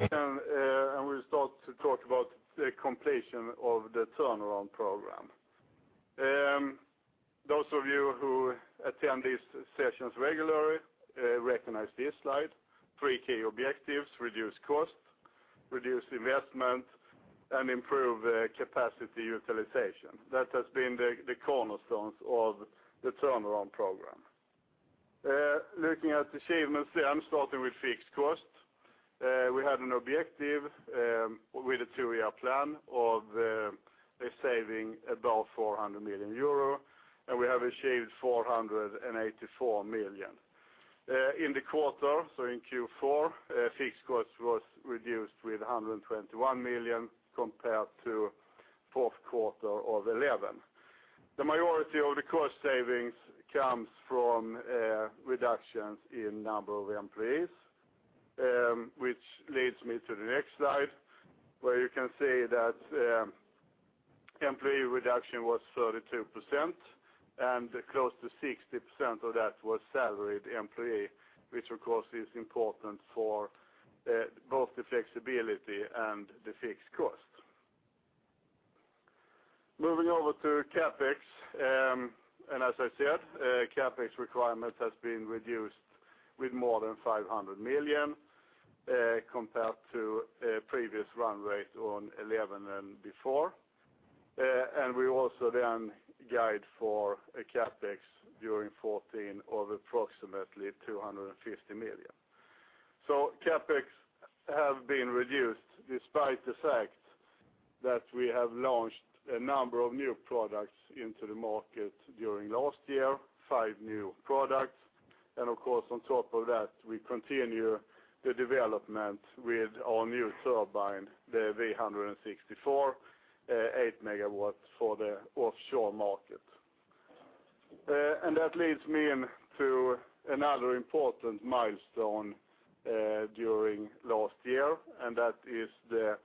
We'll start to talk about the completion of the turnaround program. Those of you who attend these sessions regularly recognize this slide. Three key objectives: reduce cost, reduce investment, and improve capacity utilization. That has been the cornerstones of the turnaround program. Looking at achievements, I'm starting with fixed cost. We had an objective with a two-year plan of a saving about 400 million euro, and we have achieved 484 million. In the quarter, so in Q4, fixed cost was reduced with 121 million compared to fourth quarter of 2011. The majority of the cost savings comes from, reductions in number of employees, which leads me to the next slide, where you can see that, employee reduction was 32%, and close to 60% of that was salaried employee, which, of course, is important for, both the flexibility and the fixed cost. Moving over to CapEx, and as I said, CapEx requirement has been reduced with more than 500 million, compared to a previous run rate on 2011 and before. And we also then guide for a CapEx during 2014 of approximately 250 million. CapEx have been reduced despite the fact that we have launched a number of new products into the market during last year, five new products, and of course, on top of that, we continue the development with our new turbine, the V164 8 MW for the offshore market. And that leads me into another important milestone during last year, and that is the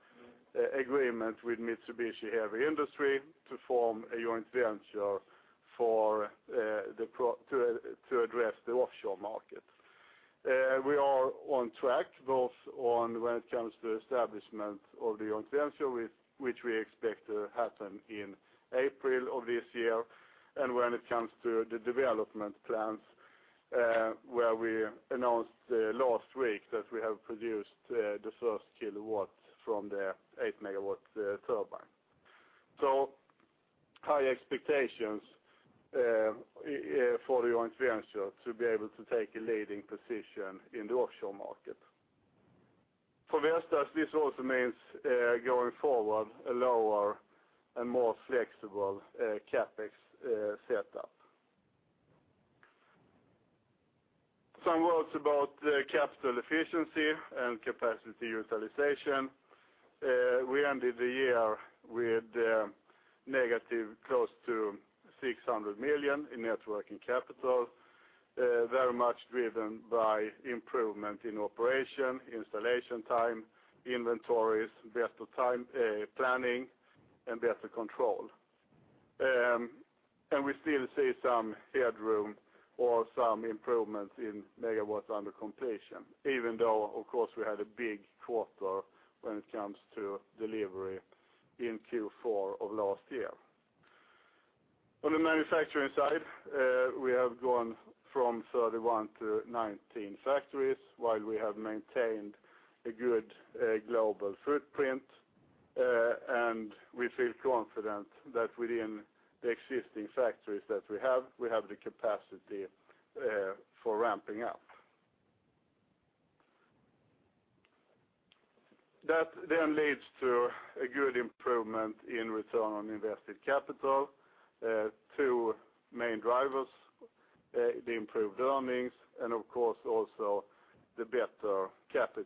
agreement with Mitsubishi Heavy Industries to form a joint venture for the prototype to address the offshore market. We are on track, both on when it comes to establishment of the joint venture, which we expect to happen in April of this year, and when it comes to the development plans, where we announced last week that we have produced the first kilowatt from the 8 MW turbine. So high expectations for the joint venture to be able to take a leading position in the offshore market. For Vestas, this also means, going forward, a lower and more flexible, CapEx setup. Some words about the capital efficiency and capacity utilization. We ended the year with, negative close to 600 million in net working capital, very much driven by improvement in operation, installation time, inventories, better time planning, and better control. And we still see some headroom or some improvements in megawatts under completion, even though, of course, we had a big quarter when it comes to delivery in Q4 of last year. On the manufacturing side, we have gone from 31 to 19 factories, while we have maintained a good global footprint, and we feel confident that within the existing factories that we have, we have the capacity for ramping up. That then leads to a good improvement in return on invested capital. Two main drivers, the improved earnings, and of course, also the better capital,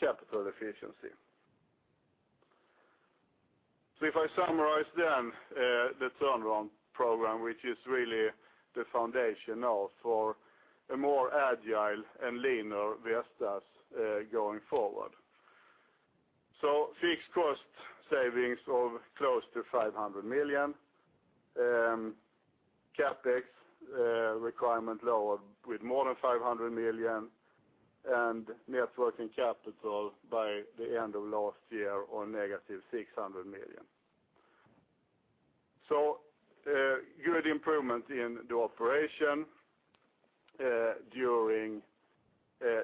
capital efficiency. So if I summarize then, the turnaround program, which is really the foundation now for a more agile and leaner Vestas, going forward. So fixed cost savings of close to 500 million, CapEx requirement lowered with more than 500 million, and net working capital by the end of last year on -600 million. So, good improvement in the operation, during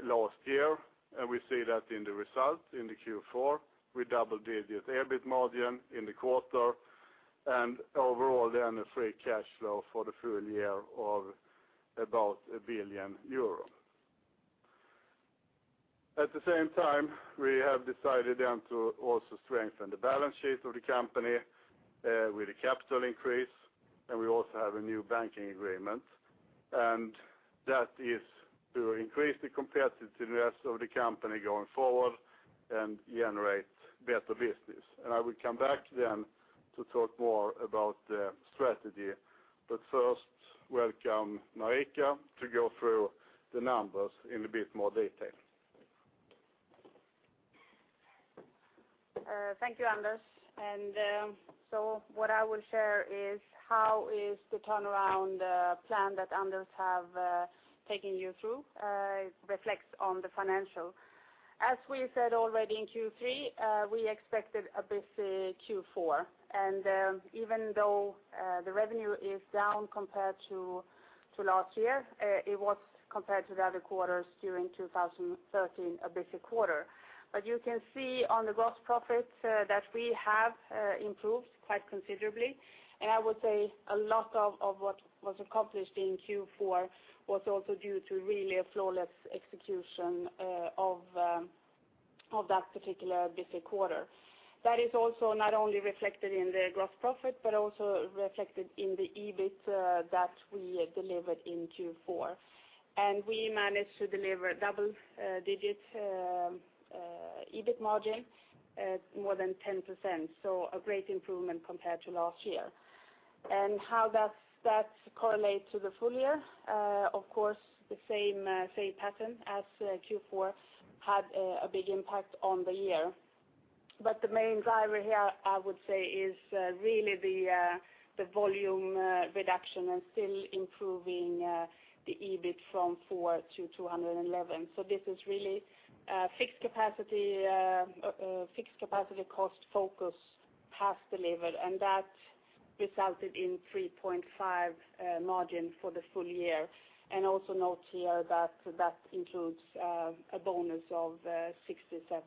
last year, and we see that in the result, in the Q4, with double-digit EBIT margin in the quarter, and overall, then a free cash flow for the full year of about 1 billion euro. At the same time, we have decided then to also strengthen the balance sheet of the company, with a capital increase, and we also have a new banking agreement, and that is to increase the competitiveness of the company going forward and generate better business. And I will come back then to talk more about the strategy, but first, welcome, Marika, to go through the numbers in a bit more detail. Thank you, Anders. And, so what I will share is how is the turnaround plan that Anders have taken you through reflects on the financial. As we said already in Q3, we expected a busy Q4, and, even though, the revenue is down compared to last year, it was compared to the other quarters during 2013, a busy quarter. But you can see on the gross profit that we have improved quite considerably, and I would say a lot of what was accomplished in Q4 was also due to really a flawless execution of that particular busy quarter. That is also not only reflected in the gross profit, but also reflected in the EBIT that we delivered in Q4. We managed to deliver double-digit EBIT margin more than 10%, so a great improvement compared to last year. How does that correlate to the full year? Of course, the same pattern as Q4 had a big impact on the year. But the main driver here, I would say, is really the volume reduction and still improving the EBIT from 4 to 211. So this is really fixed capacity cost focus has delivered, and that resulted in 3.5% margin for the full year. Also note here that that includes a bonus of 67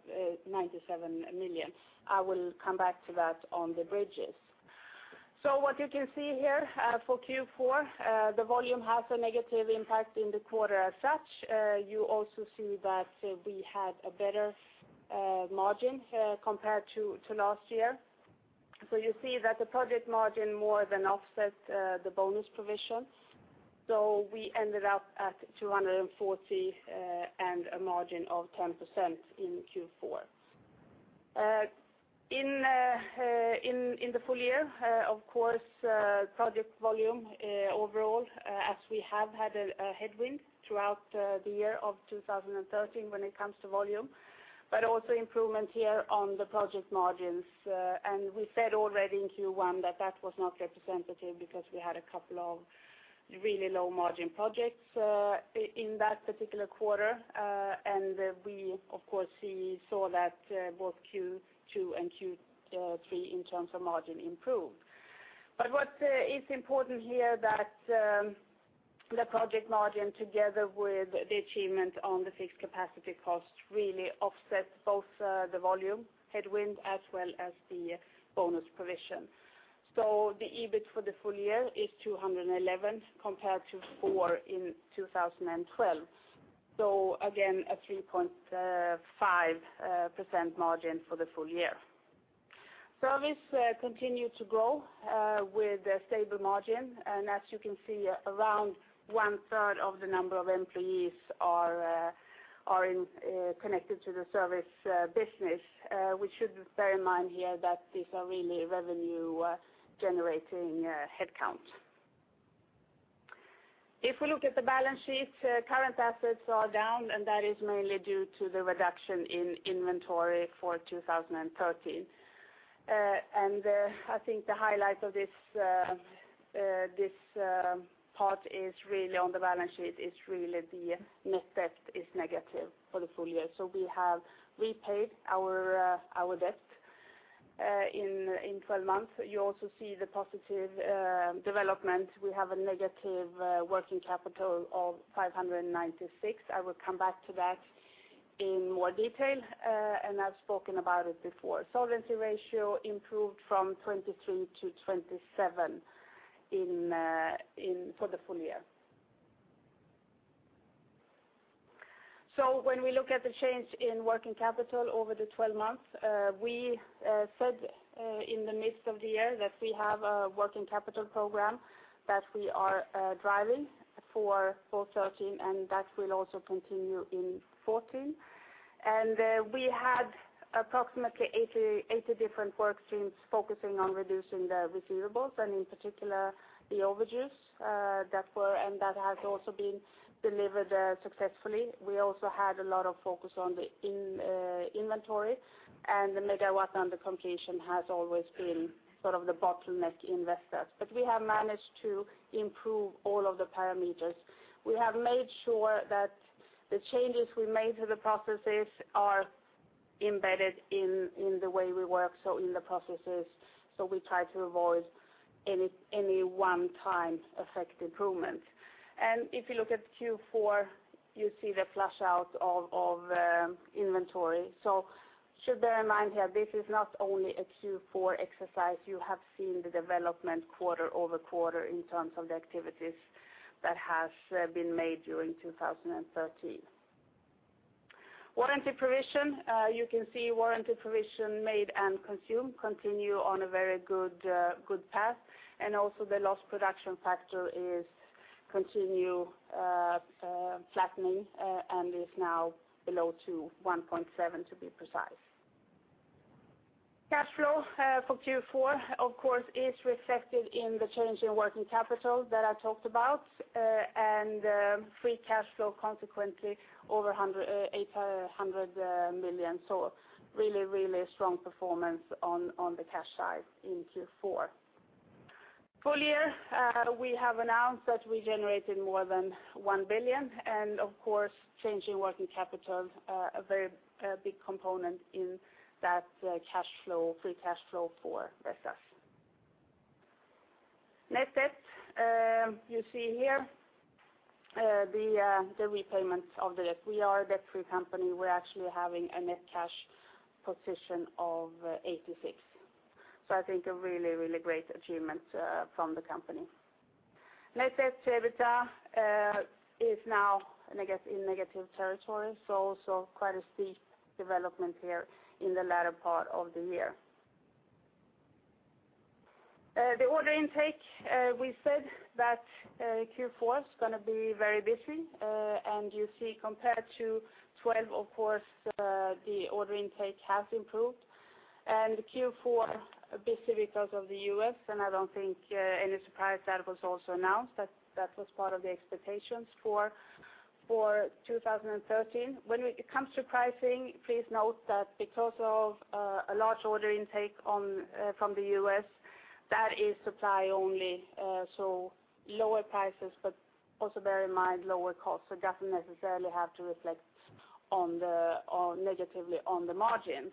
million-97 million. I will come back to that on the bridges. So what you can see here, for Q4, the volume has a negative impact in the quarter as such. You also see that we had a better margin compared to last year. So you see that the project margin more than offset the bonus provision, so we ended up at 240 and a margin of 10% in Q4. In the full year, of course, project volume overall, as we have had a headwind throughout the year of 2013 when it comes to volume, but also improvement here on the project margins. And we said already in Q1 that that was not representative because we had a couple of really low margin projects in that particular quarter. And we, of course, saw that both Q2 and Q3 in terms of margin improved. But what is important here that the project margin, together with the achievement on the fixed capacity cost, really offset both the volume headwind as well as the bonus provision. So the EBIT for the full year is 211, compared to 4 in 2012, so again, a 3.5% margin for the full year. Service continued to grow with a stable margin, and as you can see, around one third of the number of employees are connected to the service business. We should bear in mind here that these are really revenue generating headcount. If we look at the balance sheet, current assets are down, and that is mainly due to the reduction in inventory for 2013. I think the highlight of this part is really on the balance sheet, is really the net debt is negative for the full year. So we have repaid our debt in 12 months. You also see the positive development. We have a negative working capital of 596. I will come back to that in more detail, and I've spoken about it before. Solvency ratio improved from 23 to 27 for the full year. So when we look at the change in working capital over the 12 months, we said in the midst of the year that we have a working capital program that we are driving for 2013, and that will also continue in 2014. And we had approximately 80 different work streams focusing on reducing the receivables, and in particular, the overages that were, and that has also been delivered successfully. We also had a lot of focus on the inventory, and the megawatt under completion has always been sort of the bottleneck in Vestas. But we have managed to improve all of the parameters. We have made sure that the changes we made to the processes are embedded in the way we work, so in the processes, so we try to avoid any one-time effect improvements. And if you look at Q4, you see the flush out of inventory. So should bear in mind here, this is not only a Q4 exercise. You have seen the development quarter-over-quarter in terms of the activities that has been made during 2013. Warranty provision, you can see warranty provision made and consumed continue on a very good path, and also the Lost Production Factor is continue flattening and is now below to 1.7, to be precise. Cash flow for Q4, of course, is reflected in the change in working capital that I talked about, and free cash flow consequently over 800 million. So really, really strong performance on, on the cash side in Q4. Full year, we have announced that we generated more than 1 billion, and of course, changing working capital, a very, big component in that, cash flow, free cash flow for Vestas. Net debt, you see here, the, the repayments of the debt. We are a debt-free company. We're actually having a net cash position of 86 million. So I think a really, really great achievement, from the company. Net debt to EBITDA, is now, I guess, in negative territory, so also quite a steep development here in the latter part of the year. The order intake, we said that, Q4 is going to be very busy, and you see compared to twelve, of course, the order intake has improved. And Q4, busy because of the U.S., and I don't think any surprise that was also announced, that that was part of the expectations for, for 2013. When it comes to pricing, please note that because of a large order intake on from the U.S., that is supply only, so lower prices, but also bear in mind, lower costs. So it doesn't necessarily have to reflect on the, on negatively on the margins.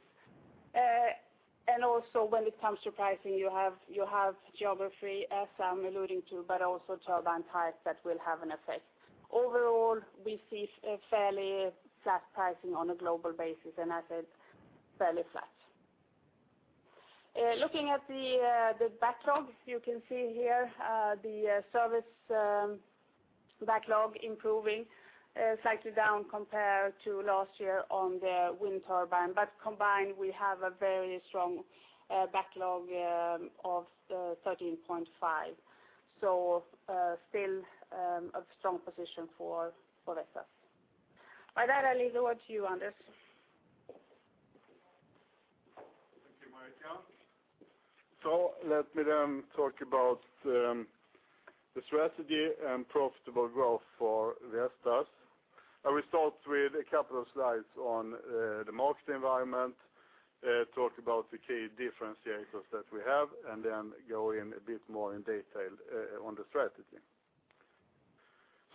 And also, when it comes to pricing, you have, you have geography, as I'm alluding to, but also turbine types that will have an effect. Overall, we see a fairly flat pricing on a global basis, and as I said, fairly flat. Looking at the backlog, you can see here the service backlog improving, slightly down compared to last year on the wind turbine. Combined, we have a very strong backlog of 13.5. Still, a strong position for Vestas. With that, I leave it over to you, Anders. Thank you, Marika. So let me then talk about the strategy and profitable growth for Vestas. I will start with a couple of slides on the market environment, talk about the key differentiators that we have, and then go in a bit more in detail on the strategy.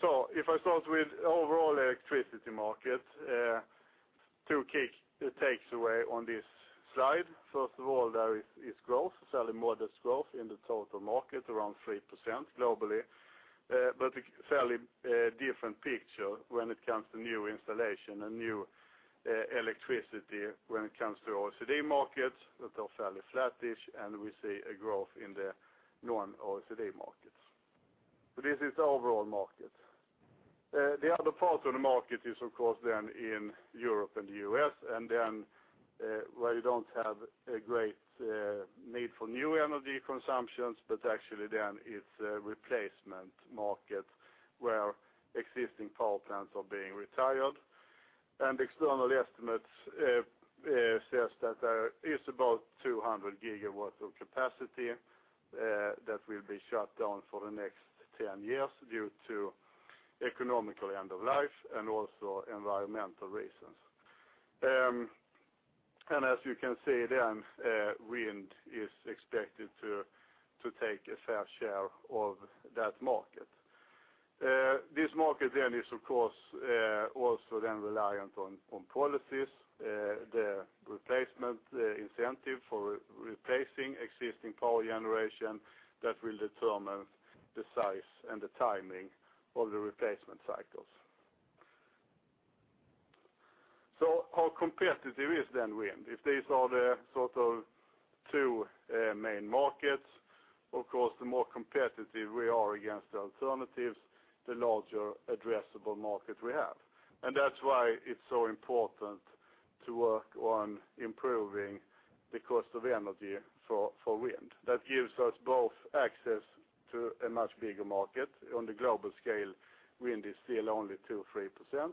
So if I start with overall electricity market, two key takeaways on this slide. First of all, there is growth, fairly modest growth in the total market, around 3% globally. But a fairly different picture when it comes to new installation and new electricity when it comes to OECD markets, that are fairly flattish, and we see a growth in the non-OECD markets. So this is the overall market. The other part of the market is, of course, then in Europe and the U.S., and then, where you don't have a great need for new energy consumptions, but actually then it's a replacement market where existing power plants are being retired. External estimates says that there is about 200 GW of capacity that will be shut down for the next 10 years due to economic end of life and also environmental reasons. As you can see then, wind is expected to take a fair share of that market. This market then is, of course, also then reliant on policies, the replacement, the incentive for replacing existing power generation that will determine the size and the timing of the replacement cycles. So how competitive is then wind? If these are the sort of two main markets, of course, the more competitive we are against the alternatives, the larger addressable market we have. And that's why it's so important to work on improving the cost of energy for wind. That gives us both access to a much bigger market. On the global scale, wind is still only 2-3%,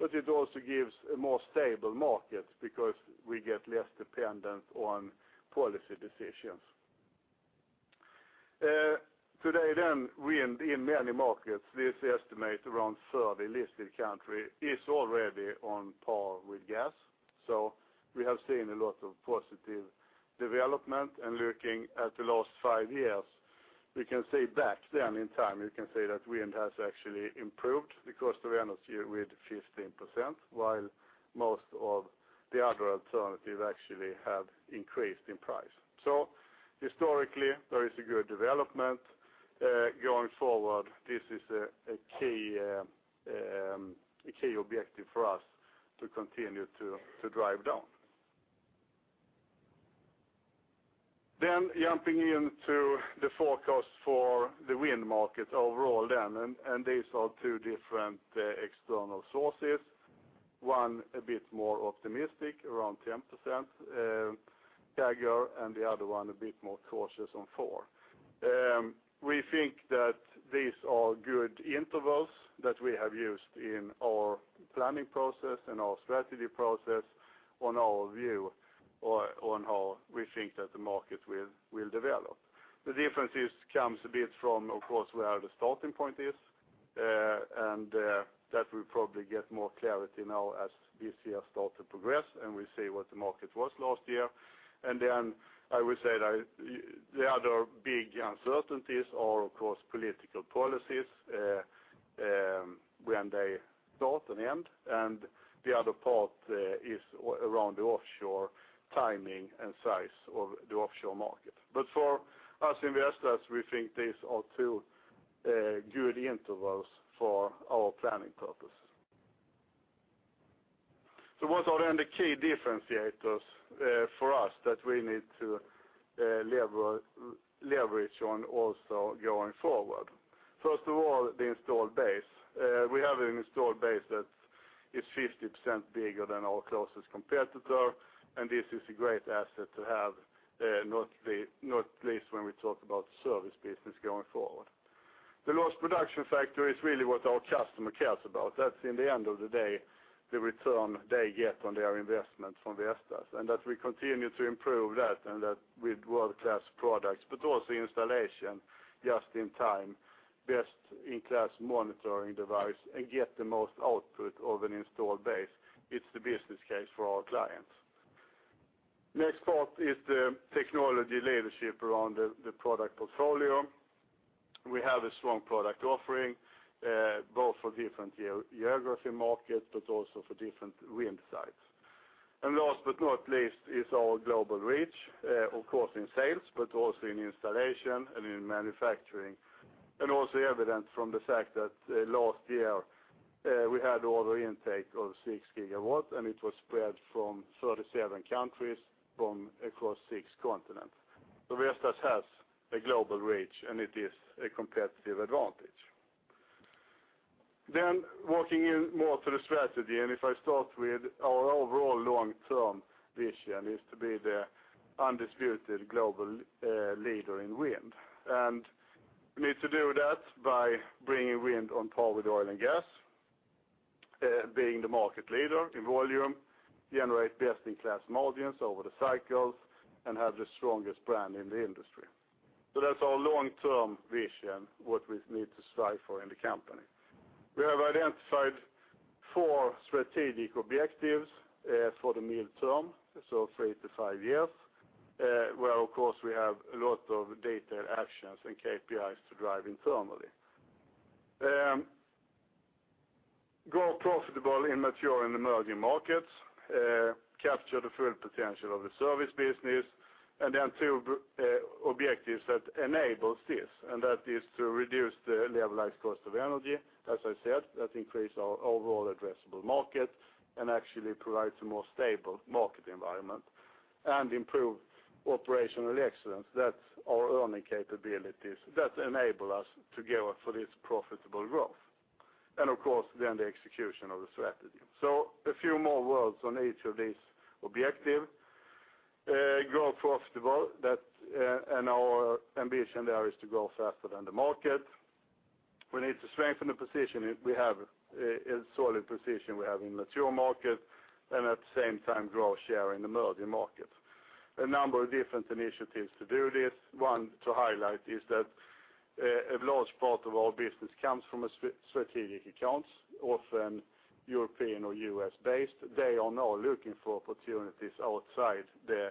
but it also gives a more stable market because we get less dependent on policy decisions. Today, then, wind in many markets, this estimate around 30 listed countries, is already on par with gas. So we have seen a lot of positive development, and looking at the last five years, we can see back then in time, you can see that wind has actually improved the cost of energy with 15%, while most of the other alternatives actually have increased in price. So historically, there is a good development. Going forward, this is a key objective for us to continue to drive down. Then jumping into the forecast for the wind market overall, and these are two different external sources. One, a bit more optimistic, around 10%, CAGR, and the other one, a bit more cautious on 4. We think that these are good intervals that we have used in our planning process and our strategy process on our view on how we think that the market will develop. The differences comes a bit from, of course, where the starting point is, and that we probably get more clarity now as this year start to progress, and we see what the market was last year. Then I would say that the other big uncertainties are, of course, political policies, when they start and end, and the other part is around the offshore timing and size of the offshore market. But for us, investors, we think these are two good intervals for our planning purpose. So what are then the key differentiators for us that we need to leverage on also going forward? First of all, the installed base. We have an installed base that is 50% bigger than our closest competitor, and this is a great asset to have, not the least when we talk about service business going forward. The lost production factor is really what our customer cares about. That's in the end of the day, the return they get on their investment from Vestas, and that we continue to improve that and that with world-class products, but also installation just in time, best-in-class monitoring device, and get the most output of an installed base. It's the business case for our clients. Next part is the technology leadership around the product portfolio. We have a strong product offering, both for different geography markets, but also for different wind sites. And last but not least, is our global reach, of course, in sales, but also in installation and in manufacturing, and also evident from the fact that last year, we had order intake of 6 gigawatts, and it was spread from 37 countries from across 6 continents. So Vestas has a global reach, and it is a competitive advantage. Working in more to the strategy, and if I start with our overall long-term vision is to be the undisputed global leader in wind. We need to do that by bringing wind on par with oil and gas, being the market leader in volume, generate best-in-class margins over the cycles, and have the strongest brand in the industry. So that's our long-term vision, what we need to strive for in the company. We have identified 4 strategic objectives for the midterm, so 3-5 years, where, of course, we have a lot of detailed actions and KPIs to drive internally. Grow profitable in mature and emerging markets, capture the full potential of the service business, and then 2 objectives that enables this, and that is to reduce the levelized cost of energy. As I said, that increase our overall addressable market and actually provides a more stable market environment and improve operational excellence. That's our earning capabilities. That enable us to go for this profitable growth. And of course, then the execution of the strategy. So a few more words on each of these objective. Grow profitable, that, and our ambition there is to grow faster than the market. We need to strengthen the position, we have a solid position we have in mature market, and at the same time, grow share in the emerging market. A number of different initiatives to do this. One, to highlight is that, a large part of our business comes from a strategic accounts, often European or U.S. based. They are now looking for opportunities outside the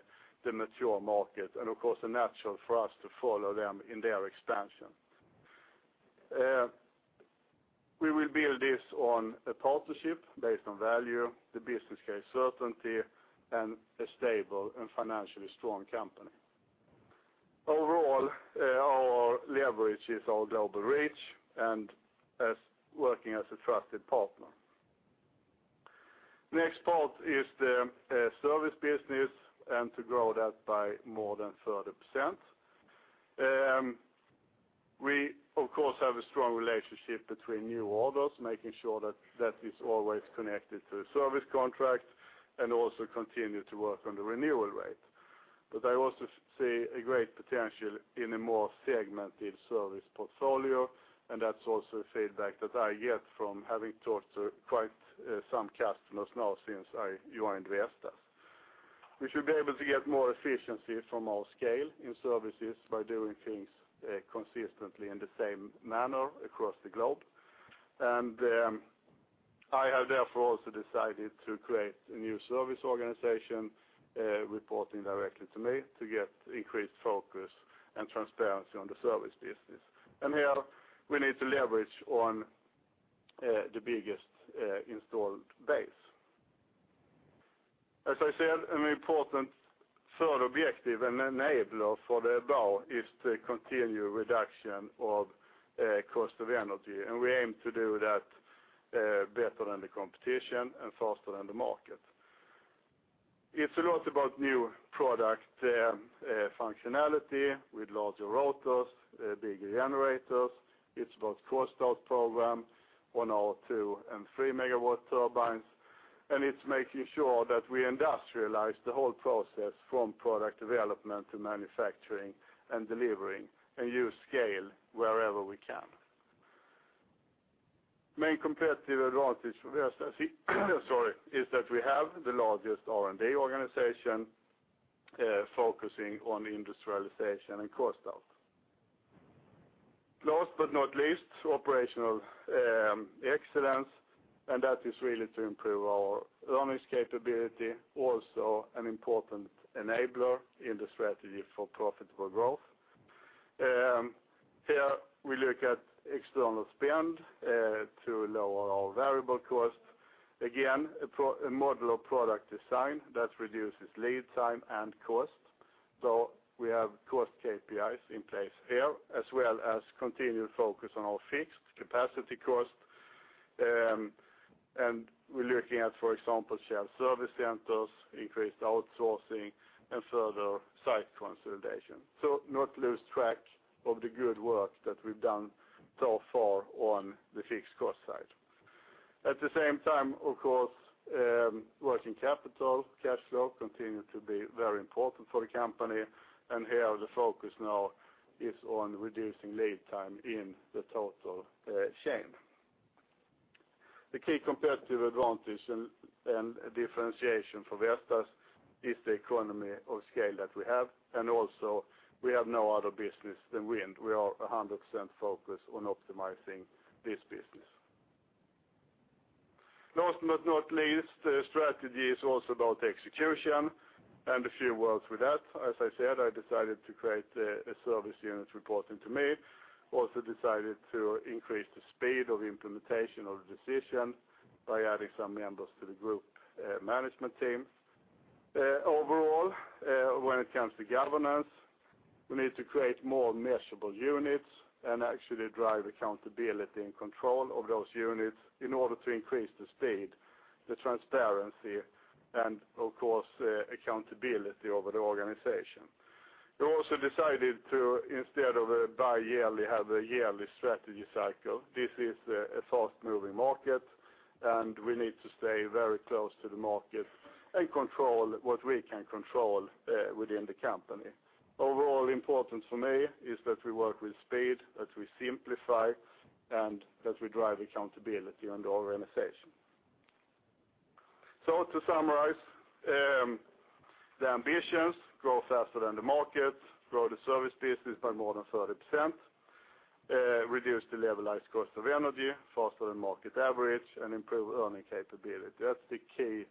mature market, and of course, a natural for us to follow them in their expansion. We will build this on a partnership based on value, the business case certainty, and a stable and financially strong company. Overall, our leverage is our global reach and as working as a trusted partner. Next part is the service business, and to grow that by more than 30%. We, of course, have a strong relationship between new orders, making sure that that is always connected to the service contract and also continue to work on the renewal rate. But I also see a great potential in a more segmented service portfolio, and that's also feedback that I get from having talked to quite some customers now since I joined Vestas. We should be able to get more efficiency from our scale in services by doing things consistently in the same manner across the globe. And I have therefore also decided to create a new service organization reporting directly to me to get increased focus and transparency on the service business. And here, we need to leverage on the biggest installed base. As I said, an important third objective and enabler for the above is the continued reduction of cost of energy, and we aim to do that better than the competition and faster than the market. It's a lot about new product functionality with larger rotors, bigger generators. It's about cost out program on our 2- and 3 MW turbines, and it's making sure that we industrialize the whole process from product development to manufacturing and delivering, and use scale wherever we can. Main competitive advantage for Vestas, sorry, is that we have the largest R&D organization focusing on industrialization and cost out. Last but not least, operational excellence, and that is really to improve our earnings capability, also an important enabler in the strategy for profitable growth. Here, we look at external spend to lower our variable cost. Again, a model of product design that reduces lead time and cost. So we have cost KPIs in place here, as well as continued focus on our fixed capacity cost. And we're looking at, for example, shared service centers, increased outsourcing, and further site consolidation. So not lose track of the good work that we've done so far on the fixed cost side. At the same time, of course, working capital, cash flow continue to be very important for the company, and here, the focus now is on reducing lead time in the total chain. The key competitive advantage and differentiation for Vestas is the economy of scale that we have, and also we have no other business than wind. We are 100% focused on optimizing this business. Last but not least, strategy is also about execution and a few words with that. As I said, I decided to create a service unit reporting to me, also decided to increase the speed of implementation of the decision by adding some members to the group management team. Overall, when it comes to governance, we need to create more measurable units and actually drive accountability and control of those units in order to increase the speed, the transparency, and of course, accountability over the organization. We also decided to, instead of a bi-yearly, have a yearly strategy cycle. This is a fast-moving market, and we need to stay very close to the market and control what we can control within the company. Overall importance for me is that we work with speed, that we simplify, and that we drive accountability in the organization. So to summarize, the ambitions, grow faster than the market, grow the service business by more than 30%, reduce the Levelized Cost of Energy faster than market average, and improve earning capability. That's the key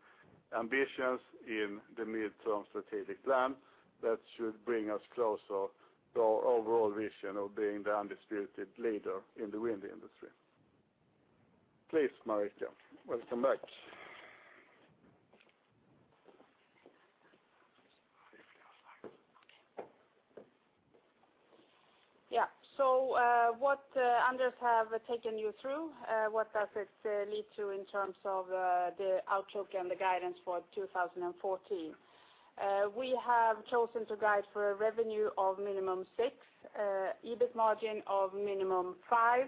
ambitions in the midterm strategic plan that should bring us closer to our overall vision of being the undisputed leader in the wind industry. Please, Marika, welcome back. Yeah, so, what Anders have taken you through, what does it lead to in terms of the outlook and the guidance for 2014? We have chosen to guide for a revenue of minimum 6 billion, EBIT margin of minimum 5%,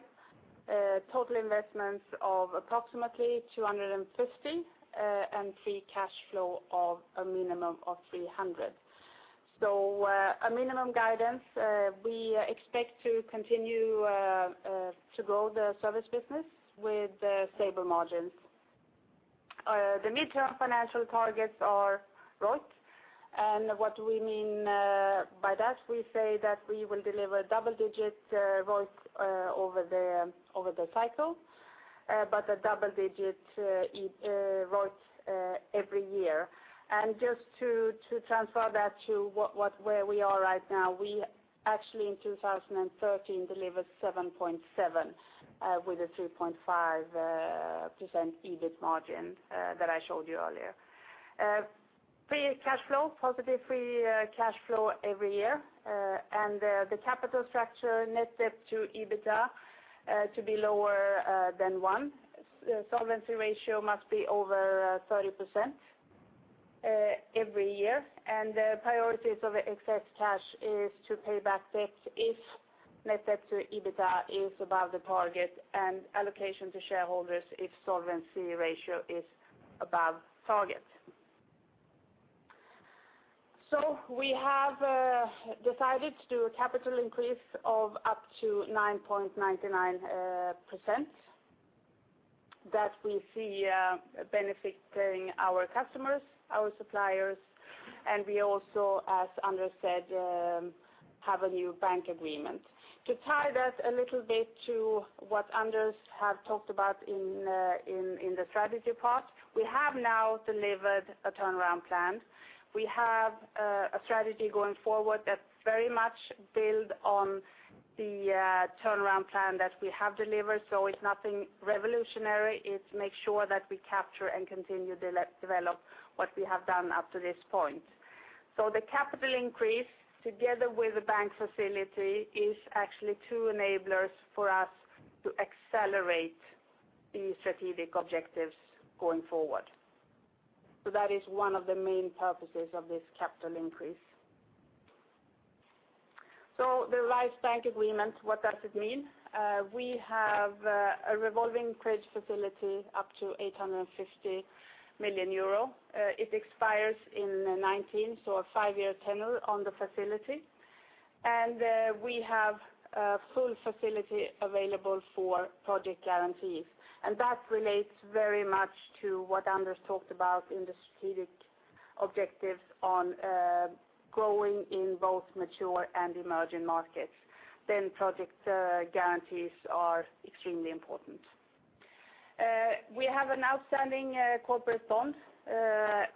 total investments of approximately 250 million, and free cash flow of a minimum of 300 million. So, a minimum guidance, we expect to continue to grow the service business with stable margins. The midterm financial targets are ROIC, and what we mean by that, we say that we will deliver double-digit ROIC over the cycle, but a double-digit ROIC every year. Just to transfer that to what where we are right now, we actually in 2013 delivered 7.7 with a 3.5% EBIT margin that I showed you earlier. Free cash flow, positive free cash flow every year, and the capital structure, net debt to EBITDA to be lower than one. Solvency ratio must be over 30% every year, and the priorities of excess cash is to pay back debt if net debt to EBITDA is above the target, and allocation to shareholders if solvency ratio is above target. So we have decided to do a capital increase of up to 9.99% that we see benefiting our customers, our suppliers, and we also, as Anders said, have a new bank agreement. To tie that a little bit to what Anders have talked about in the strategy part, we have now delivered a turnaround plan. We have a strategy going forward that's very much built on the turnaround plan that we have delivered, so it's nothing revolutionary. It's make sure that we capture and continue develop what we have done up to this point. So the capital increase, together with the bank facility, is actually two enablers for us to accelerate the strategic objectives going forward. So that is one of the main purposes of this capital increase. So the raised bank agreement, what does it mean? We have a revolving credit facility up to 850 million euro. It expires in 2019, so a five-year tenure on the facility. We have a full facility available for project guarantees, and that relates very much to what Anders talked about in the strategic objectives on, growing in both mature and emerging markets, then project, guarantees are extremely important. We have an outstanding, corporate bond,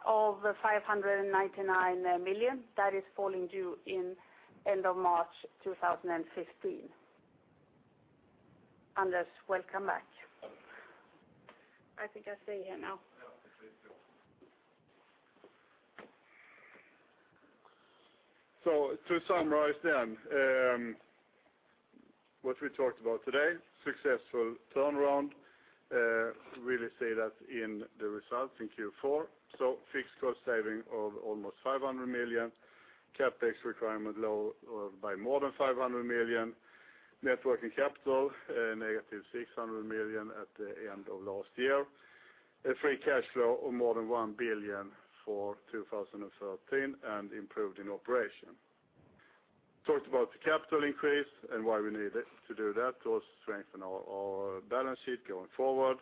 of 599 million that is falling due in end of March 2015. Anders, welcome back. I think I stay here now. Yeah. So to summarize then, what we talked about today, successful turnaround, really see that in the results in Q4. So fixed cost saving of almost 500 million, CapEx requirement low, by more than 500 million, net working capital, negative 600 million at the end of last year, a free cash flow of more than 1 billion for 2013, and improved in operation. Talked about the capital increase and why we need it to do that, to strengthen our, our balance sheet going forward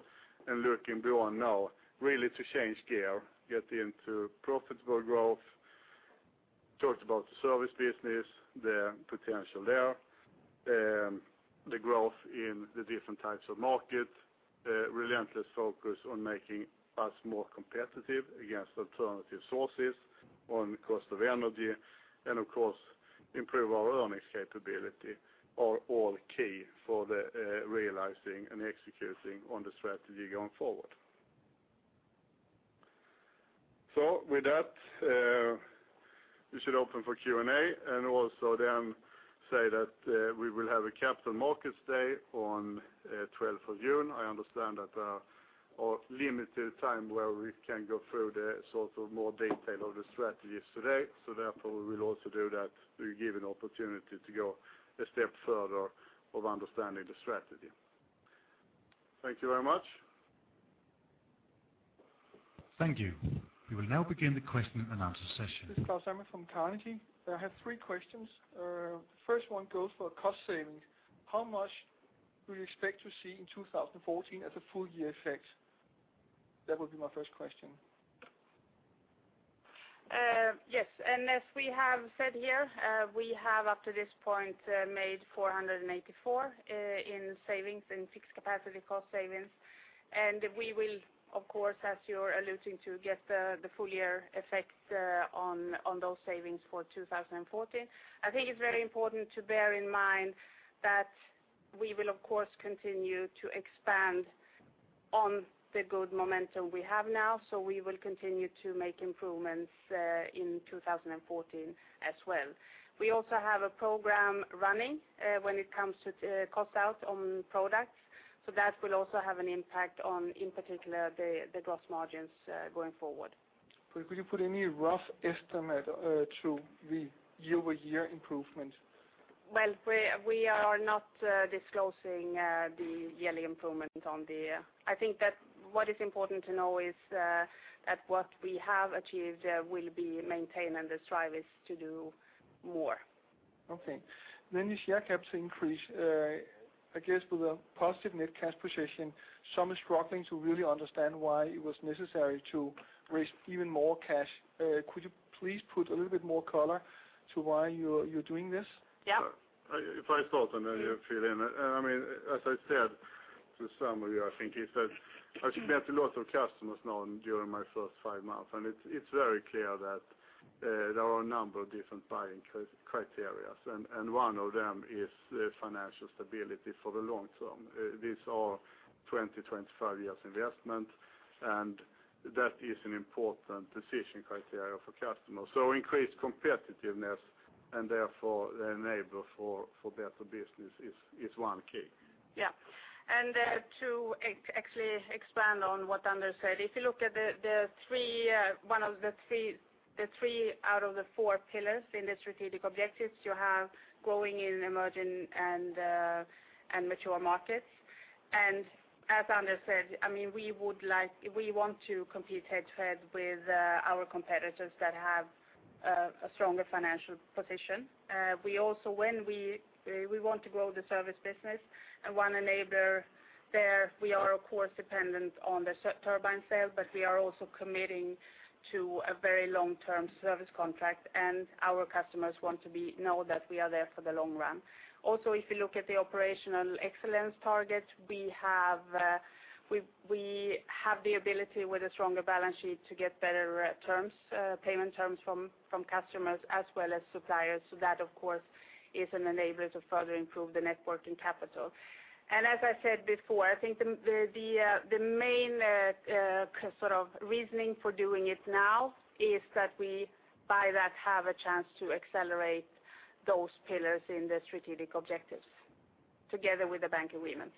and looking beyond now, really to change gear, get into profitable growth. Talked about the service business, the potential there, the growth in the different types of markets, the relentless focus on making us more competitive against alternative sources on the cost of energy, and of course, improve our earnings capability are all key for the realizing and executing on the strategy going forward. So with that, we should open for Q&A, and also then say that we will have a Capital Markets Day on 12th of June. I understand that our limited time where we can go through the sort of more detail of the strategies today. So therefore, we will also do that to give you an opportunity to go a step further of understanding the strategy. Thank you very much. Thank you. We will now begin the question and answer session. This is Claus Almer from Carnegie. I have three questions. The first one goes for cost savings. How much do you expect to see in 2014 as a full year effect? That would be my first question. Yes, and as we have said here, we have up to this point made 484 in savings, in fixed capacity cost savings. And we will, of course, as you're alluding to, get the full year effect on those savings for 2014. I think it's very important to bear in mind that we will, of course, continue to expand on the good momentum we have now, so we will continue to make improvements in 2014 as well. We also have a program running when it comes to cost out on products, so that will also have an impact on, in particular, the gross margins going forward. Could you put any rough estimate to the year-over-year improvement? Well, we are not disclosing the yearly improvement on the... I think that what is important to know is that what we have achieved will be maintained, and the strive is to do more. Okay. Then the share caps increase, I guess with a positive net cash position, some are struggling to really understand why it was necessary to raise even more cash. Could you please put a little bit more color to why you're doing this? Yeah. If I start, and then you fill in. I mean, as I said to some of you, I think, is that I've met a lot of customers now during my first 5 months, and it's very clear that there are a number of different buying criteria, and one of them is the financial stability for the long term. These are 20-25 years investment, and that is an important decision criteria for customers. So increased competitiveness and therefore the enabler for better business is one key. Yeah. And actually expand on what Anders said, if you look at the three out of the four pillars in the strategic objectives, you have growing in emerging and mature markets. And as Anders said, I mean, we would like, we want to compete head-to-head with our competitors that have a stronger financial position. We also want to grow the service business and one enabler there, we are of course dependent on the turbine sales, but we are also committing to a very long-term service contract, and our customers want to know that we are there for the long run. Also, if you look at the operational excellence targets, we have the ability with a stronger balance sheet to get better terms, payment terms from customers as well as suppliers. So that, of course, is an enabler to further improve the net working capital. As I said before, I think the main sort of reasoning for doing it now is that we, by that, have a chance to accelerate those pillars in the strategic objectives together with the bank agreements.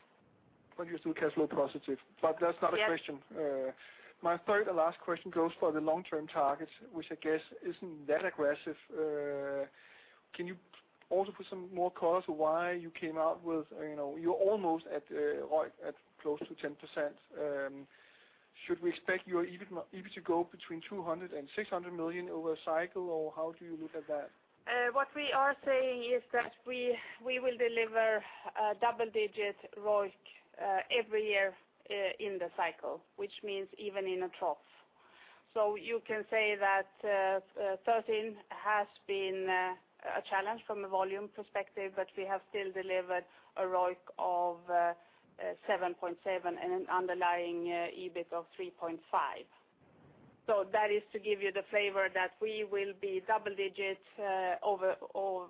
But you're still cash flow positive- Yes. But that's not a question. My third and last question goes for the long-term targets, which I guess isn't that aggressive. Can you also put some more color to why you came out with, you know, you're almost at ROIC at close to 10%, Should we expect your EBIT, EBIT to go between 200 million and 600 million over a cycle, or how do you look at that? What we are saying is that we will deliver a double-digit ROIC every year in the cycle, which means even in a trough. So you can say that 2013 has been a challenge from a volume perspective, but we have still delivered a ROIC of 7.7 and an underlying EBIT of 3.5. So that is to give you the flavor that we will be double digits, over, or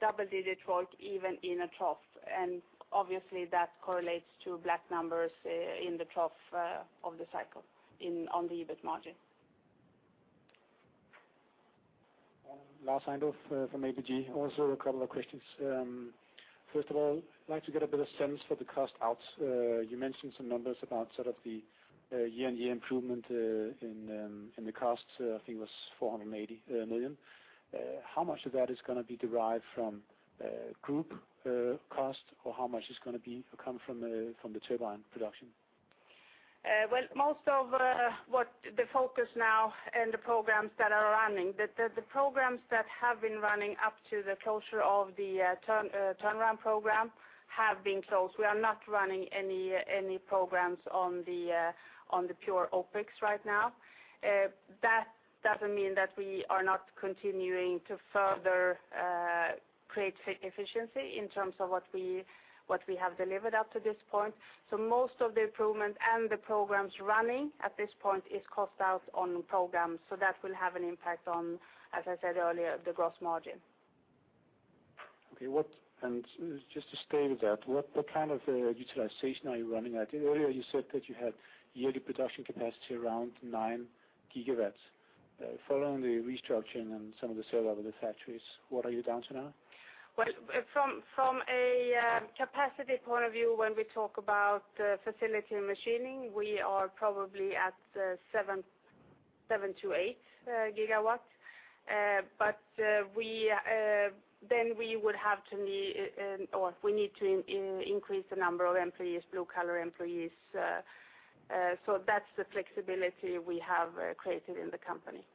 double-digit ROIC even in a trough. And obviously that correlates to black numbers in the trough of the cycle, on the EBIT margin. Lars Heindorf from ABG. Also a couple of questions. First of all, I'd like to get a better sense for the cost outs. You mentioned some numbers about sort of the year-on-year improvement in the costs. I think it was 480 million. How much of that is gonna be derived from group cost, or how much is gonna come from the turbine production? Well, most of what the focus now and the programs that are running, the programs that have been running up to the closure of the turnaround program have been closed. We are not running any programs on the pure OpEx right now. That doesn't mean that we are not continuing to further create efficiency in terms of what we have delivered up to this point. So most of the improvement and the programs running at this point is cost out on programs. So that will have an impact on, as I said earlier, the gross margin. Okay, what—and just to stay with that, what, what kind of utilization are you running at? Earlier, you said that you had yearly production capacity around 9 gigawatts. Following the restructuring and some of the sale of the factories, what are you down to now? Well, from a capacity point of view, when we talk about facility and machining, we are probably at 7-8 GW. But we then would have to or we need to increase the number of employees, blue-collar employees. So that's the flexibility we have created in the company.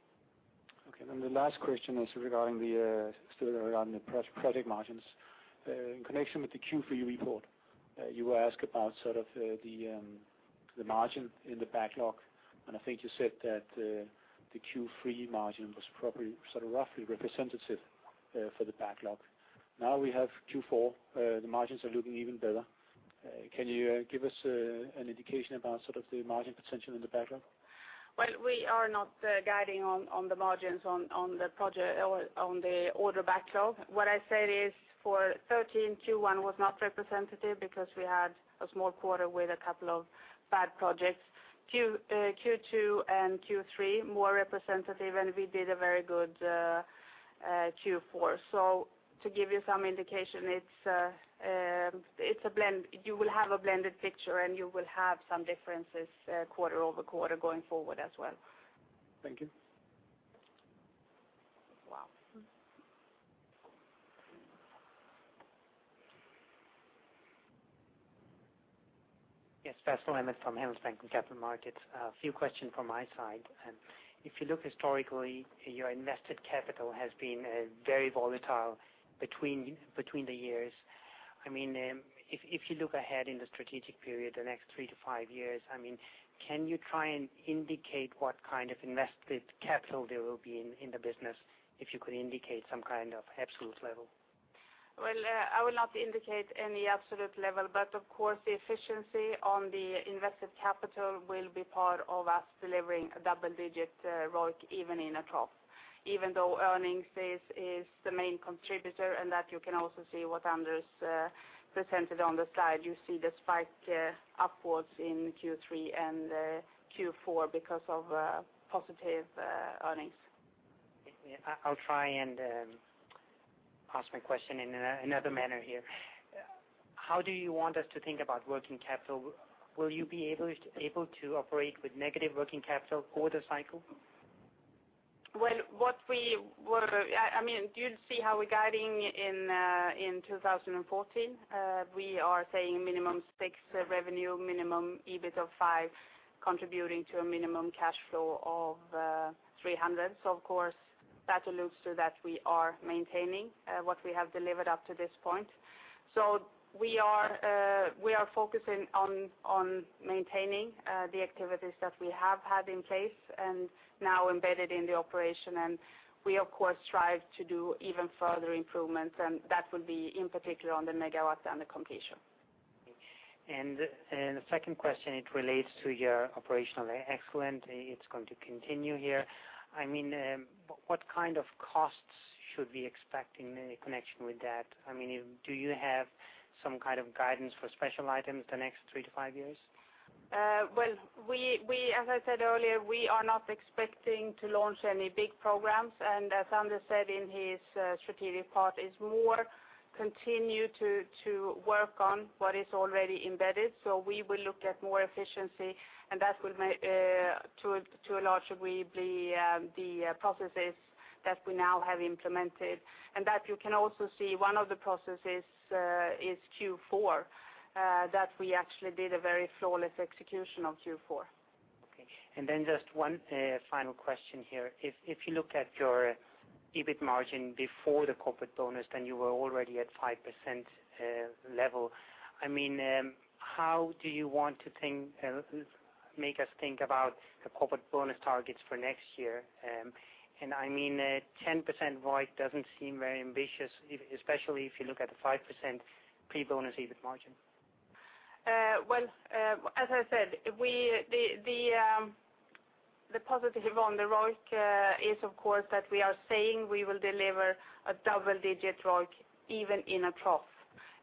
Okay, then the last question is regarding the still around the project margins. In connection with the Q3 report, you were asked about sort of the margin in the backlog, and I think you said that the Q3 margin was probably sort of roughly representative for the backlog. Now we have Q4, the margins are looking even better. Can you give us an indication about sort of the margin potential in the backlog? Well, we are not guiding on the margins, on the project or on the order backlog. What I said is, for 2013, Q1 was not representative because we had a small quarter with a couple of bad projects. Q2 and Q3, more representative, and we did a very good Q4. So to give you some indication, it's a blend. You will have a blended picture, and you will have some differences quarter-over-quarter going forward as well. Thank you. Wow. Yes, Casper Blom from Handelsbanken Capital Markets. A few questions from my side. If you look historically, your invested capital has been very volatile between the years. I mean, if you look ahead in the strategic period, the next three to five years, I mean, can you try and indicate what kind of invested capital there will be in the business, if you could indicate some kind of absolute level? Well, I will not indicate any absolute level, but of course, the efficiency on the invested capital will be part of us delivering a double-digit ROIC, even in a trough, even though earnings is the main contributor, and that you can also see what Anders presented on the slide. You see the spike upwards in Q3 and Q4 because of positive earnings. I'll try and ask my question in another manner here. How do you want us to think about working capital? Will you be able to operate with negative working capital for the cycle? Well, I mean, you see how we're guiding in 2014. We are saying minimum 6 billion revenue, minimum EBIT of 500 million, contributing to a minimum cash flow of 300 million. So of course, that alludes to that we are maintaining what we have delivered up to this point. So we are focusing on maintaining the activities that we have had in place and now embedded in the operation. And we, of course, strive to do even further improvements, and that will be in particular on the megawatts and the completion. The second question, it relates to your operational excellence. It's going to continue here. I mean, what kind of costs should we expect in connection with that? I mean, do you have some kind of guidance for special items the next three to five years? Well, as I said earlier, we are not expecting to launch any big programs, and as Anders said in his strategic part, it's more continue to work on what is already embedded. So we will look at more efficiency, and that will, to a large degree, the processes that we now have implemented, and that you can also see one of the processes is Q4, that we actually did a very flawless execution of Q4. Okay, and then just one final question here. If you look at your EBIT margin before the corporate bonus, then you were already at 5% level. I mean, how do you want to think, make us think about the corporate bonus targets for next year? I mean, 10% ROIC doesn't seem very ambitious, especially if you look at the 5% pre-bonus EBIT margin. Well, as I said, the positive on the ROIC is, of course, that we are saying we will deliver a double-digit ROIC even in a trough.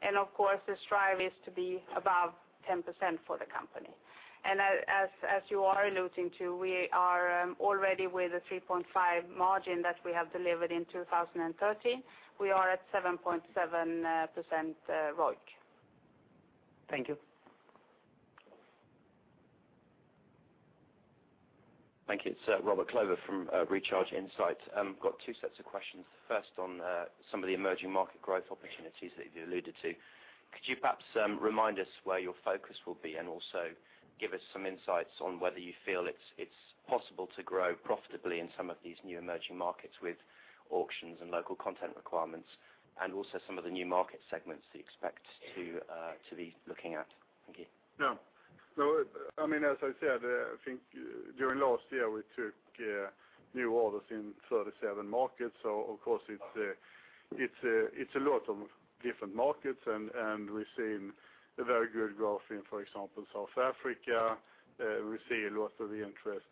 And of course, the strive is to be above 10% for the company. And as you are alluding to, we are already with a 3.5 margin that we have delivered in 2013. We are at 7.7%, ROIC. Thank you. Thank you. It's Robert Clover from Recharge Insights. I've got two sets of questions. First, on some of the emerging market growth opportunities that you alluded to. Could you perhaps remind us where your focus will be, and also give us some insights on whether you feel it's possible to grow profitably in some of these new emerging markets with auctions and local content requirements, and also some of the new market segments that you expect to be looking at? Thank you. Yeah. So, I mean, as I said, I think during last year, we took new orders in 37 markets. So of course, it's a lot of different markets, and we've seen a very good growth in, for example, South Africa. We see a lot of interest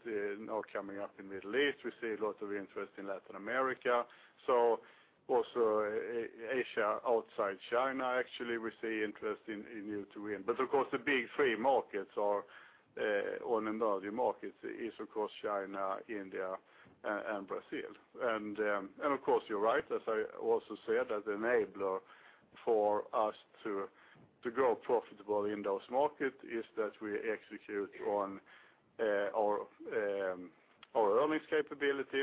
coming up in Middle East. We see a lot of interest in Latin America. So also, Asia, outside China, actually, we see interest in new to wind. But of course, the big three markets are on emerging markets is, of course, China, India, and Brazil. And of course, you're right, as I also said, as enabler for us to grow profitably in those markets, is that we execute on our earnings capability,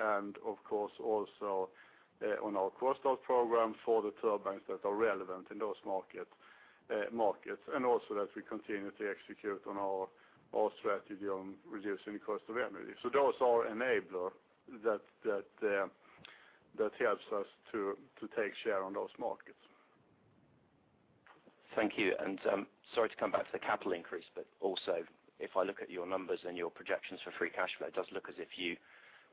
and of course, also on our cost out program for the turbines that are relevant in those markets, and also that we continue to execute on our strategy on reducing the cost of energy. So those are enabler that helps us to take share on those markets. Thank you, and, sorry to come back to the capital increase, but also, if I look at your numbers and your projections for free cash flow, it does look as if you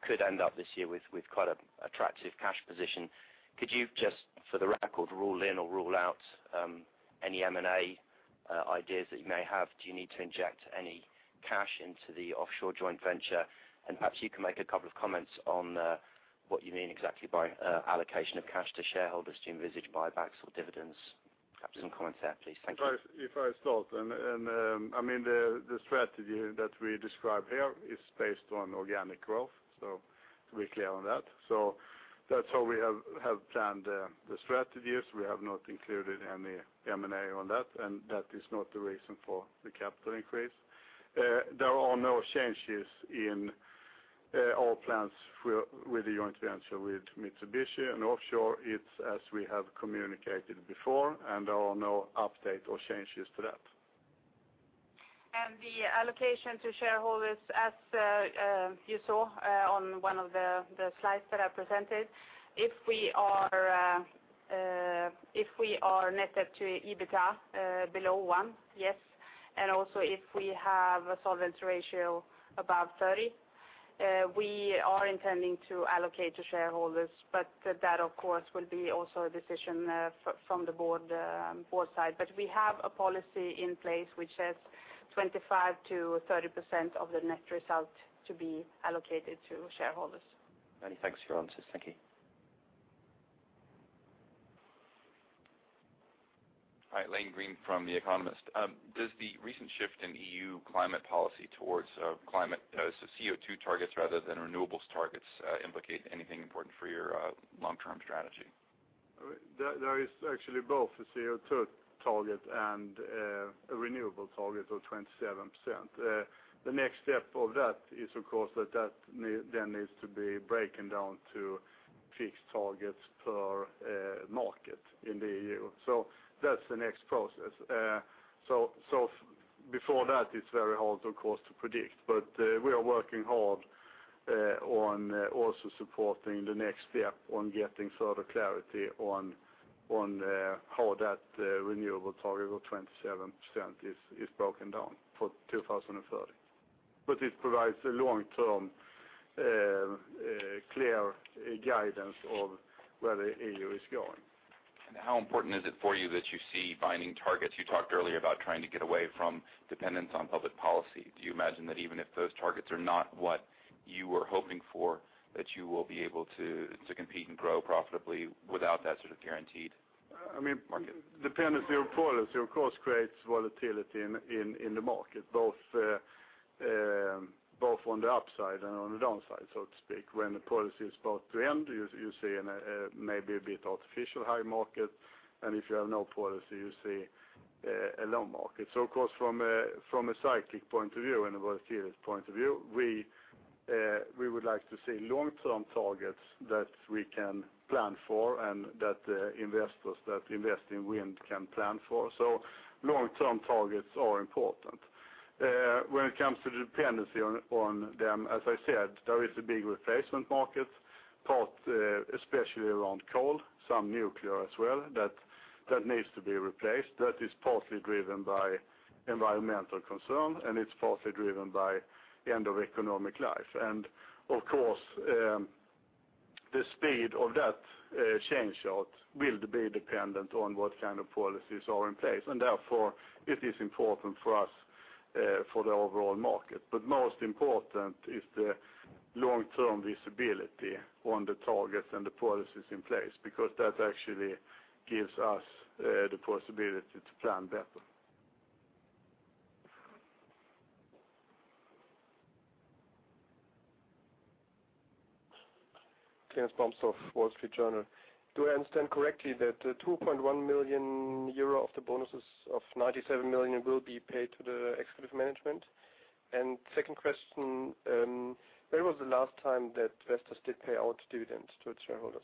could end up this year with quite an attractive cash position. Could you just, for the record, rule in or rule out any M&A ideas that you may have? Do you need to inject any cash into the offshore joint venture? And perhaps you can make a couple of comments on what you mean exactly by allocation of cash to shareholders, do you envisage buybacks or dividends? Perhaps some comments there, please. Thank you. If I start, I mean, the strategy that we describe here is based on organic growth, so to be clear on that. So that's how we have planned the strategies. We have not included any M&A on that, and that is not the reason for the capital increase. There are no changes in our plans for the joint venture with Mitsubishi and offshore, it's as we have communicated before, and there are no update or changes to that. The allocation to shareholders, as you saw on one of the slides that I presented, if we are net debt to EBITDA below one, yes, and also, if we have a solvency ratio above 30, we are intending to allocate to shareholders. But that, of course, will be also a decision from the board side. But we have a policy in place which says 25%-30% of the net result to be allocated to shareholders. Many thanks for your answers. Thank you. Hi, Lane Greene from The Economist. Does the recent shift in EU climate policy towards climate, so CO2 targets rather than renewables targets, implicate anything important for your long-term strategy? There is actually both a CO2 target and a renewable target of 27%. The next step of that is, of course, that then needs to be broken down to fixed targets per market in the EU. So that's the next process. So before that, it's very hard, of course, to predict, but we are working hard on also supporting the next step on getting further clarity on how that renewable target of 27% is broken down for 2030. But it provides a long-term clear guidance of where the EU is going. How important is it for you that you see binding targets? You talked earlier about trying to get away from dependence on public policy. Do you imagine that even if those targets are not what you were hoping for, that you will be able to compete and grow profitably without that sort of guaranteed-market. I mean- dependency on policy, of course, creates volatility in the market, both on the upside and on the downside, so to speak. When the policy is about to end, you see maybe a bit artificial high market, and if you have no policy, you see a low market. So of course, from a cyclical point of view and a volatility point of view, we would like to see long-term targets that we can plan for and that investors that invest in wind can plan for. So long-term targets are important. When it comes to the dependency on them, as I said, there is a big replacement market especially around coal, some nuclear as well, that needs to be replaced. That is partly driven by environmental concern, and it's partly driven by end of economic life. And of course, the speed of that change-out will be dependent on what kind of policies are in place, and therefore it is important for us, for the overall market. But most important is the long-term visibility on the targets and the policies in place, because that actually gives us the possibility to plan better. Claus Bomsdorf, Wall Street Journal. Do I understand correctly that 2.1 million euro of the bonuses of 97 million will be paid to the executive management? And second question, when was the last time that Vestas did pay out dividends to its shareholders?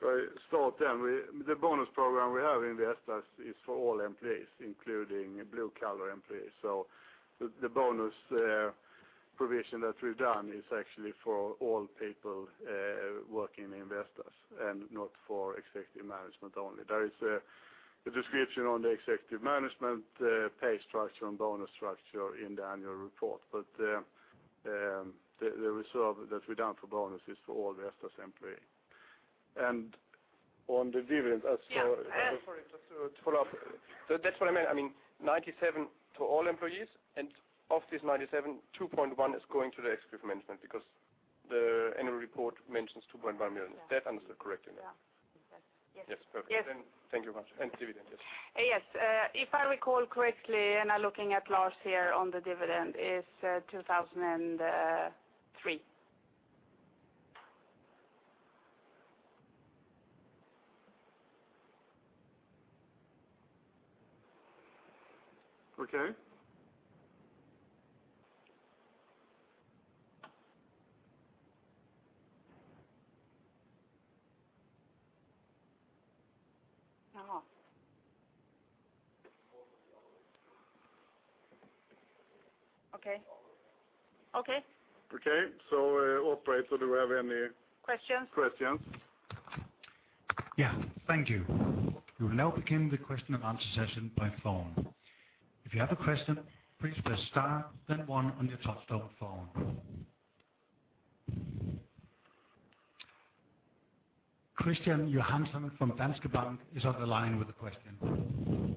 So I start then, the bonus program we have in Vestas is for all employees, including blue-collar employees. So the bonus provision that we've done is actually for all people working in Vestas and not for executive management only. There is a description on the executive management pay structure and bonus structure in the annual report. But the reserve that we've done for bonus is for all Vestas employee. And on the dividend, as for- Yeah, sorry, just to follow up. That's what I meant. I mean, 97 million to all employees, and of this 97 million, 2.1 million is going to the executive management, because the annual report mentions 2.1 million. That I understand correctly now? Yeah. Exactly. Yes, perfect. Yes. Thank you very much. And dividend, yes. Yes, if I recall correctly, and I'm looking at last year on the dividend, is 2003. Okay. Uh-huh. Okay. Okay. Okay, so, operator, do we have any-questions Questions? Yeah. Thank you. We will now begin the question and answer session by phone. If you have a question, please press star, then one on your touchtone phone. Kristian Johansen from Danske Bank is on the line with a question. Yes,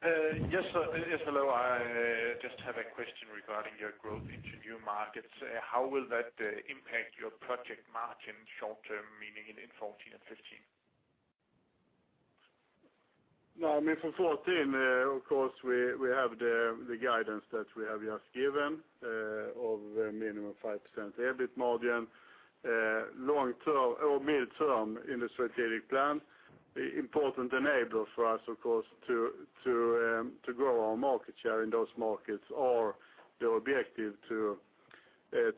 sir. Yes, hello, I just have a question regarding your growth into new markets. How will that impact your project margin short term, meaning in 2014 and 2015? No, I mean, for 2014, of course, we have the guidance that we have just given of a minimum 5% EBIT margin. Long term or mid-term in the strategic plan, the important enabler for us, of course, to grow our market share in those markets are the objective to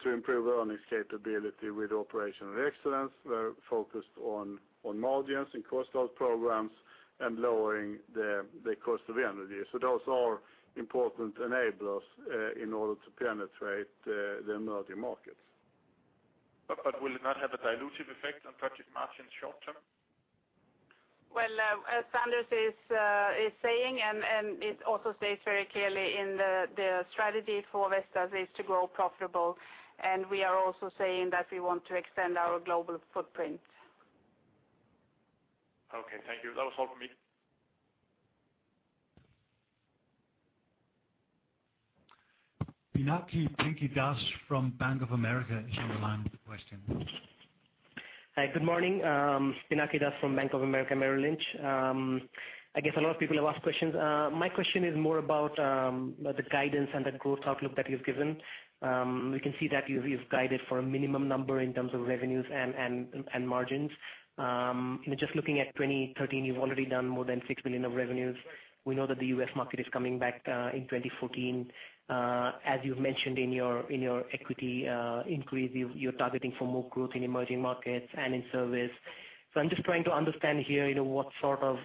improve earnings capability with operational excellence. We're focused on margins and cost out programs and lowering the cost of energy. So those are important enablers in order to penetrate the emerging markets. But, will it not have a dilutive effect on project margin short term? Well, as Anders is saying, and it also states very clearly in the strategy for Vestas is to grow profitable, and we are also saying that we want to extend our global footprint. Okay, thank you. That was all for me. Pinaki Pinky Das from Bank of America is on the line with a question. Hi, good morning. Pinaki Das from Bank of America Merrill Lynch. I guess a lot of people have asked questions. My question is more about the guidance and the growth outlook that you've given. We can see that you've guided for a minimum number in terms of revenues and margins. And just looking at 2013, you've already done more than 6 billion of revenues. We know that the U.S. market is coming back in 2014. As you've mentioned in your equity increase, you're targeting for more growth in emerging markets and in service. So I'm just trying to understand here, you know, what sort of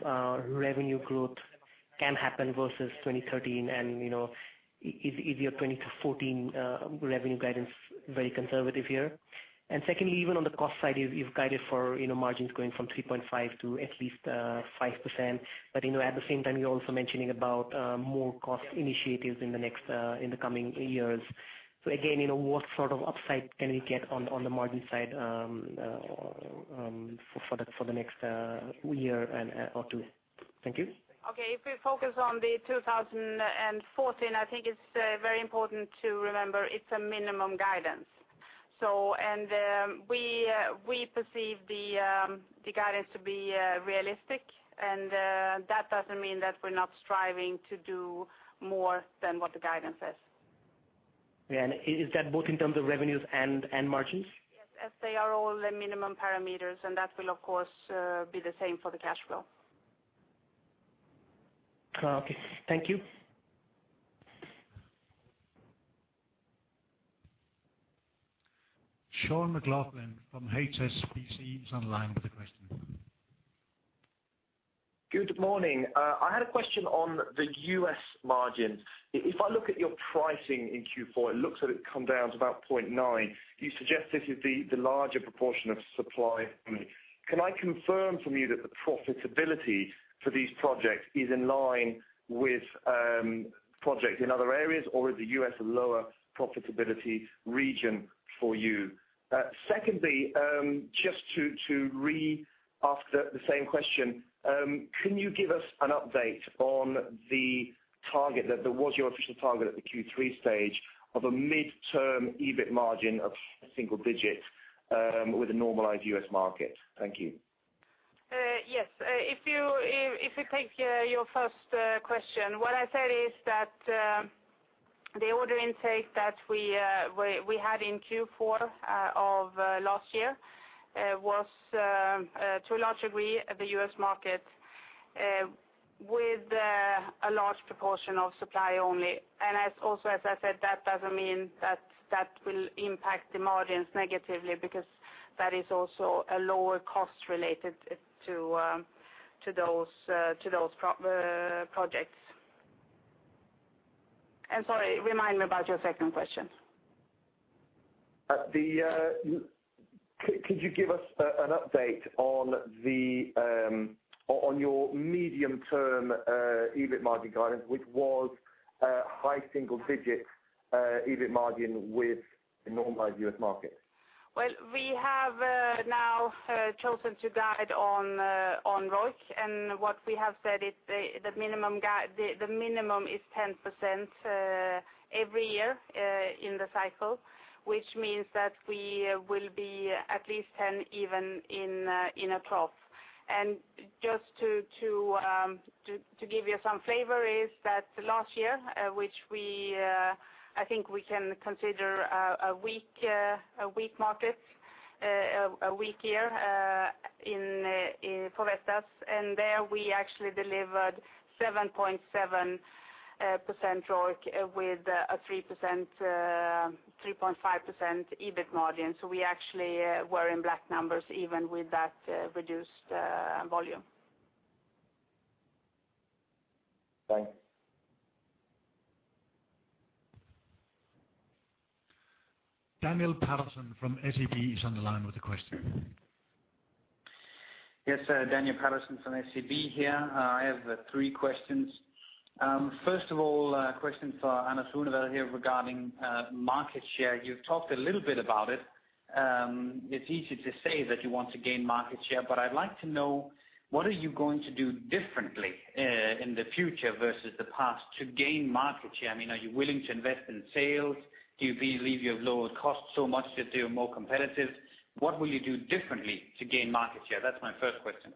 revenue growth can happen versus 2013, and, you know, is your 2014 revenue guidance very conservative here? Secondly, even on the cost side, you've guided for, you know, margins going from 3.5 to at least 5%. But, you know, at the same time, you're also mentioning about more cost initiatives in the coming years. So again, you know, what sort of upside can we get on the margin side for the next year and or two? Thank you. Okay. If we focus on 2014, I think it's very important to remember it's a minimum guidance. So, and we perceive the guidance to be realistic, and that doesn't mean that we're not striving to do more than what the guidance is. Is that both in terms of revenues and margins? Yes, as they are all the minimum parameters, and that will, of course, be the same for the cash flow. Okay. Thank you. Sean McLoughlin from HSBC is on the line with a question. Good morning. I had a question on the U.S. margin. If, if I look at your pricing in Q4, it looks like it's come down to about 0.9. You suggest this is the larger proportion of supply only. Can I confirm from you that the profitability for these projects is in line with projects in other areas, or is the U.S. a lower profitability region for you? Secondly, just to re-ask the same question, can you give us an update on the target that there was your official target at the Q3 stage of a midterm EBIT margin of single digits with a normalized U.S. market? Thank you. Yes. If we take your first question, what I said is that the order intake that we had in Q4 of last year was to a large degree the U.S. market with a large proportion of supply only. And as I said, that doesn't mean that that will impact the margins negatively, because that is also a lower cost related to those projects. Sorry, remind me about your second question. Could you give us an update on your medium-term EBIT margin guidance, which was a high single digit EBIT margin with a normalized US market? Well, we have now chosen to guide on ROIC, and what we have said is the minimum is 10% every year in the cycle. Which means that we will be at least 10, even in a trough. And just to give you some flavor, last year, which I think we can consider a weak market, a weak year for Vestas. And there, we actually delivered 7.7% ROIC with a 3% 3.5% EBIT margin. So we actually were in black numbers even with that reduced volume. Thanks. Daniel Patterson from SEB is on the line with a question. Yes, Daniel Patterson from SEB here. I have three questions. First of all, a question for Anders Runevad here regarding market share. You've talked a little bit about it. It's easy to say that you want to gain market share, but I'd like to know, what are you going to do differently in the future versus the past to gain market share? I mean, are you willing to invest in sales? Do you believe you have lowered costs so much that you're more competitive? What will you do differently to gain market share? That's my first question.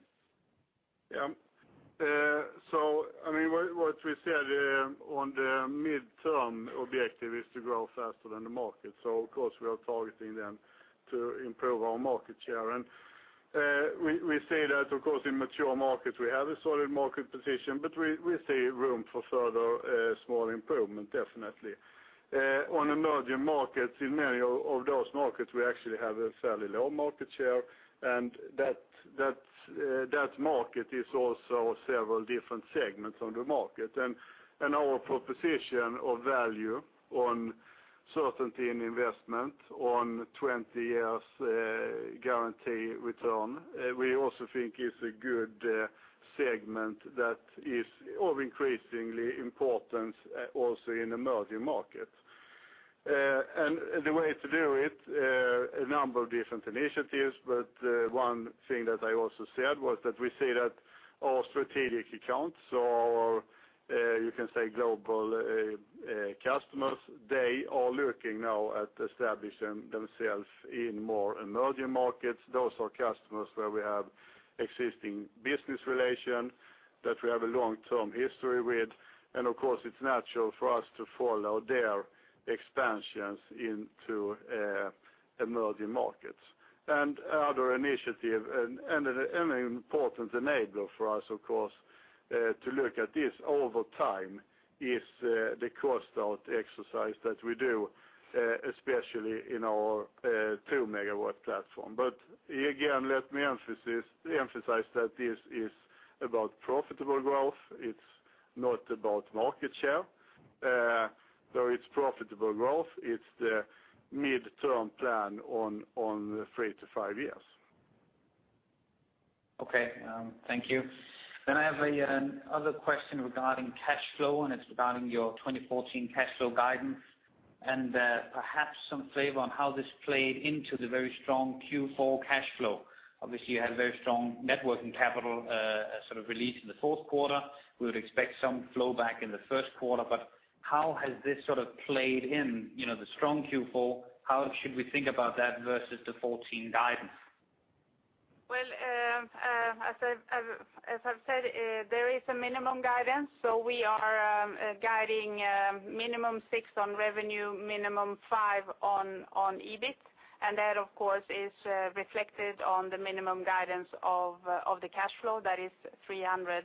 Yeah. So I mean, what we said on the midterm objective is to grow faster than the market. So of course, we are targeting them to improve our market share. And we see that, of course, in mature markets, we have a solid market position, but we see room for further small improvement, definitely. On emerging markets, in many of those markets, we actually have a fairly low market share, and that market is also several different segments on the market. And our proposition of value on certainty in investment on 20 years guarantee return, we also think is a good segment that is of increasingly importance also in emerging markets. And the way to do it, a number of different initiatives, but one thing that I also said was that we see that our strategic accounts or you can say global customers, they are looking now at establishing themselves in more emerging markets. Those are customers where we have existing business relation, that we have a long-term history with, and of course, it's natural for us to follow their expansions into emerging markets. And other initiative, an important enabler for us, of course, to look at this over time is the cost out exercise that we do, especially in our 2-megawatt platform. But again, let me emphasize that this is about profitable growth. It's not about market share. Though it's profitable growth, it's the midterm plan on three to five years. Okay. Thank you. Then I have another question regarding cash flow, and it's regarding your 2014 cash flow guidance, and perhaps some flavor on how this played into the very strong Q4 cash flow. Obviously, you had a very strong net working capital sort of release in the fourth quarter. We would expect some flow back in the first quarter, but how has this sort of played in, you know, the strong Q4? How should we think about that versus the 2014 guidance? Well, as I've said, there is a minimum guidance, so we are guiding minimum 6 on revenue, minimum 5 on EBIT. And that, of course, is reflected on the minimum guidance of the cash flow, that is 300.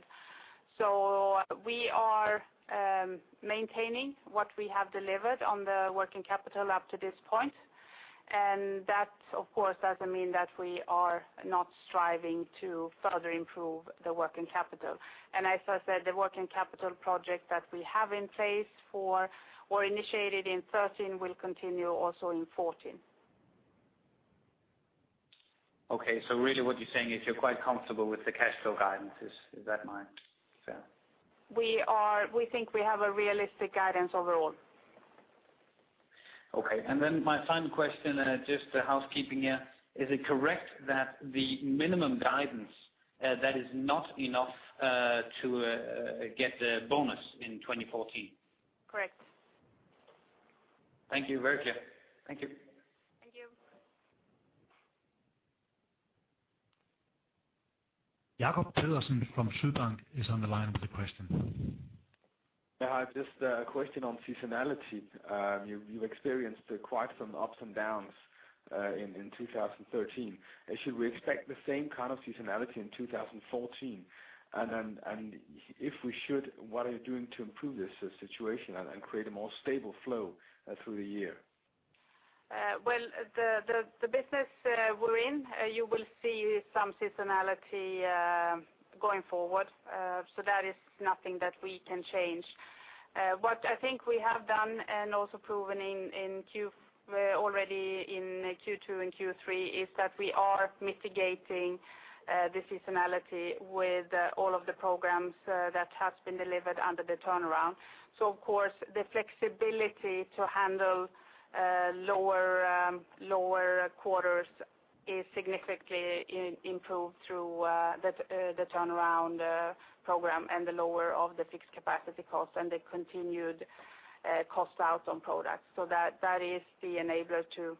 So we are maintaining what we have delivered on the working capital up to this point. And that, of course, doesn't mean that we are not striving to further improve the working capital. And as I said, the working capital project that we have in place or initiated in 2013 will continue also in 2014. Okay, so really what you're saying is you're quite comfortable with the cash flow guidance. Is that fair? We think we have a realistic guidance overall. Okay, and then my final question, just a housekeeping here. Is it correct that the minimum guidance that is not enough to get the bonus in 2014? Correct. Thank you, very clear. Thank you. Thank you. Jacob Pedersen from Sydbank is on the line with a question. Yeah, hi, just a question on seasonality. You've experienced quite some ups and downs in 2013. Should we expect the same kind of seasonality in 2014? And then, if we should, what are you doing to improve this situation and create a more stable flow through the year? Well, the business we're in, you will see some seasonality going forward. So that is nothing that we can change. What I think we have done and also proven already in Q2 and Q3 is that we are mitigating the seasonality with all of the programs that has been delivered under the turnaround. So of course, the flexibility to handle lower quarters is significantly improved through the turnaround program, and the lower of the fixed capacity costs and the continued cost out on products. So that is the enabler to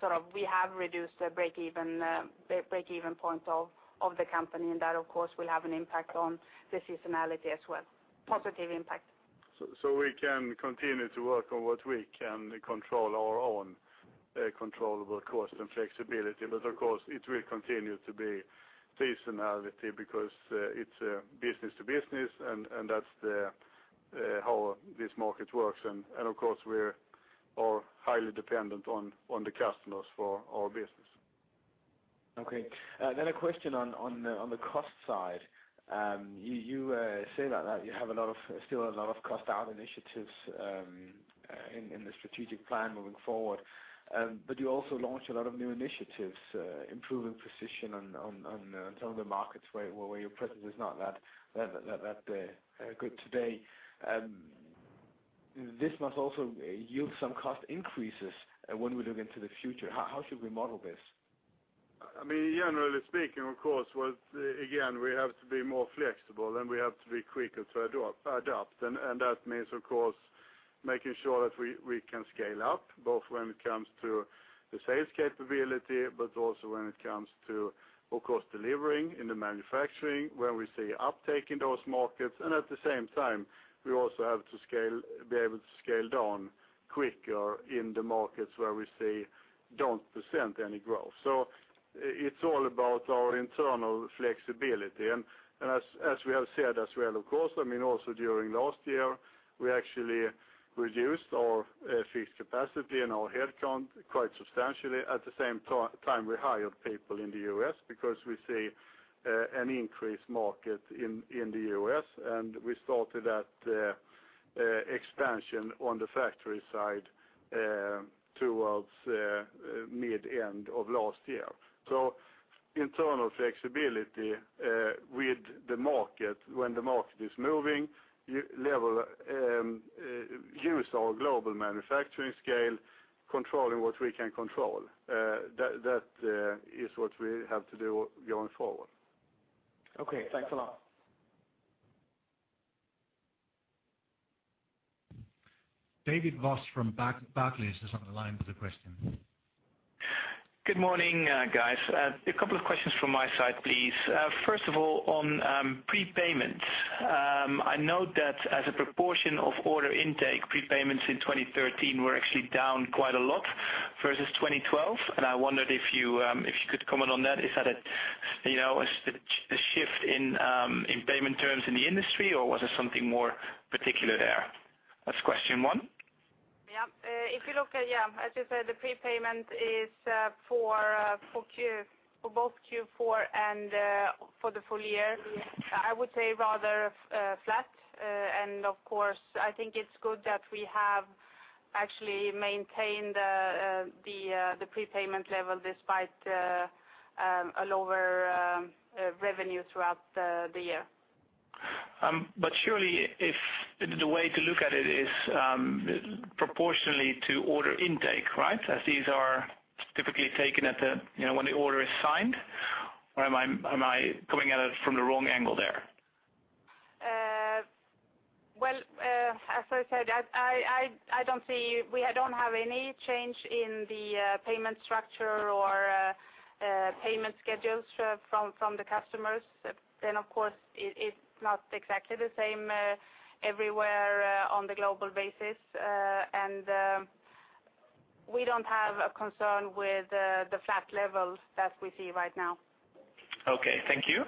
sort of, we have reduced the break-even point of the company, and that, of course, will have an impact on the seasonality as well, positive impact. So we can continue to work on what we can control, our own controllable cost and flexibility. But of course, it will continue to be seasonality, because it's business to business, and that's how this market works. And of course, we're all highly dependent on the customers for our business. Okay. Then a question on the cost side. You say that you have a lot of, still a lot of cost out initiatives in the strategic plan moving forward. But you also launched a lot of new initiatives improving precision on some of the markets where your presence is not that good today. This must also yield some cost increases when we look into the future. How should we model this? I mean, generally speaking, of course, well, again, we have to be more flexible, and we have to be quicker to adopt. And that means, of course, making sure that we can scale up, both when it comes to the sales capability, but also when it comes to, of course, delivering in the manufacturing, where we see uptake in those markets. And at the same time, we also have to be able to scale down quicker in the markets where we don't see any growth. So it's all about our internal flexibility. And as we have said as well, of course, I mean, also during last year, we actually reduced our fixed capacity and our headcount quite substantially. At the same time, we hired people in the U.S. because we see an increased market in the U.S., and we started that expansion on the factory side towards mid-end of last year. So internal flexibility with the market, when the market is moving, use our global manufacturing scale, controlling what we can control. That is what we have to do going forward. Okay, thanks a lot. David Vos from Barclays is on the line with a question. Good morning, guys. A couple of questions from my side, please. First of all, on prepayments. I note that as a proportion of order intake, prepayments in 2013 were actually down quite a lot versus 2012, and I wondered if you could comment on that. Is that a, you know, a shift in payment terms in the industry, or was it something more particular there? That's question one. Yeah. If you look at, yeah, as you said, the prepayment is for both Q4 and for the full year. I would say rather flat. And of course, I think it's good that we have actually maintained the prepayment level despite a lower revenue throughout the year. But surely if the way to look at it is proportionally to order intake, right? As these are typically taken at the, you know, when the order is signed, or am I, am I coming at it from the wrong angle there? As I said, I don't see we don't have any change in the payment structure or payment schedules from the customers. Then of course, it's not exactly the same everywhere on the global basis. And we don't have a concern with the flat levels that we see right now. Okay, thank you.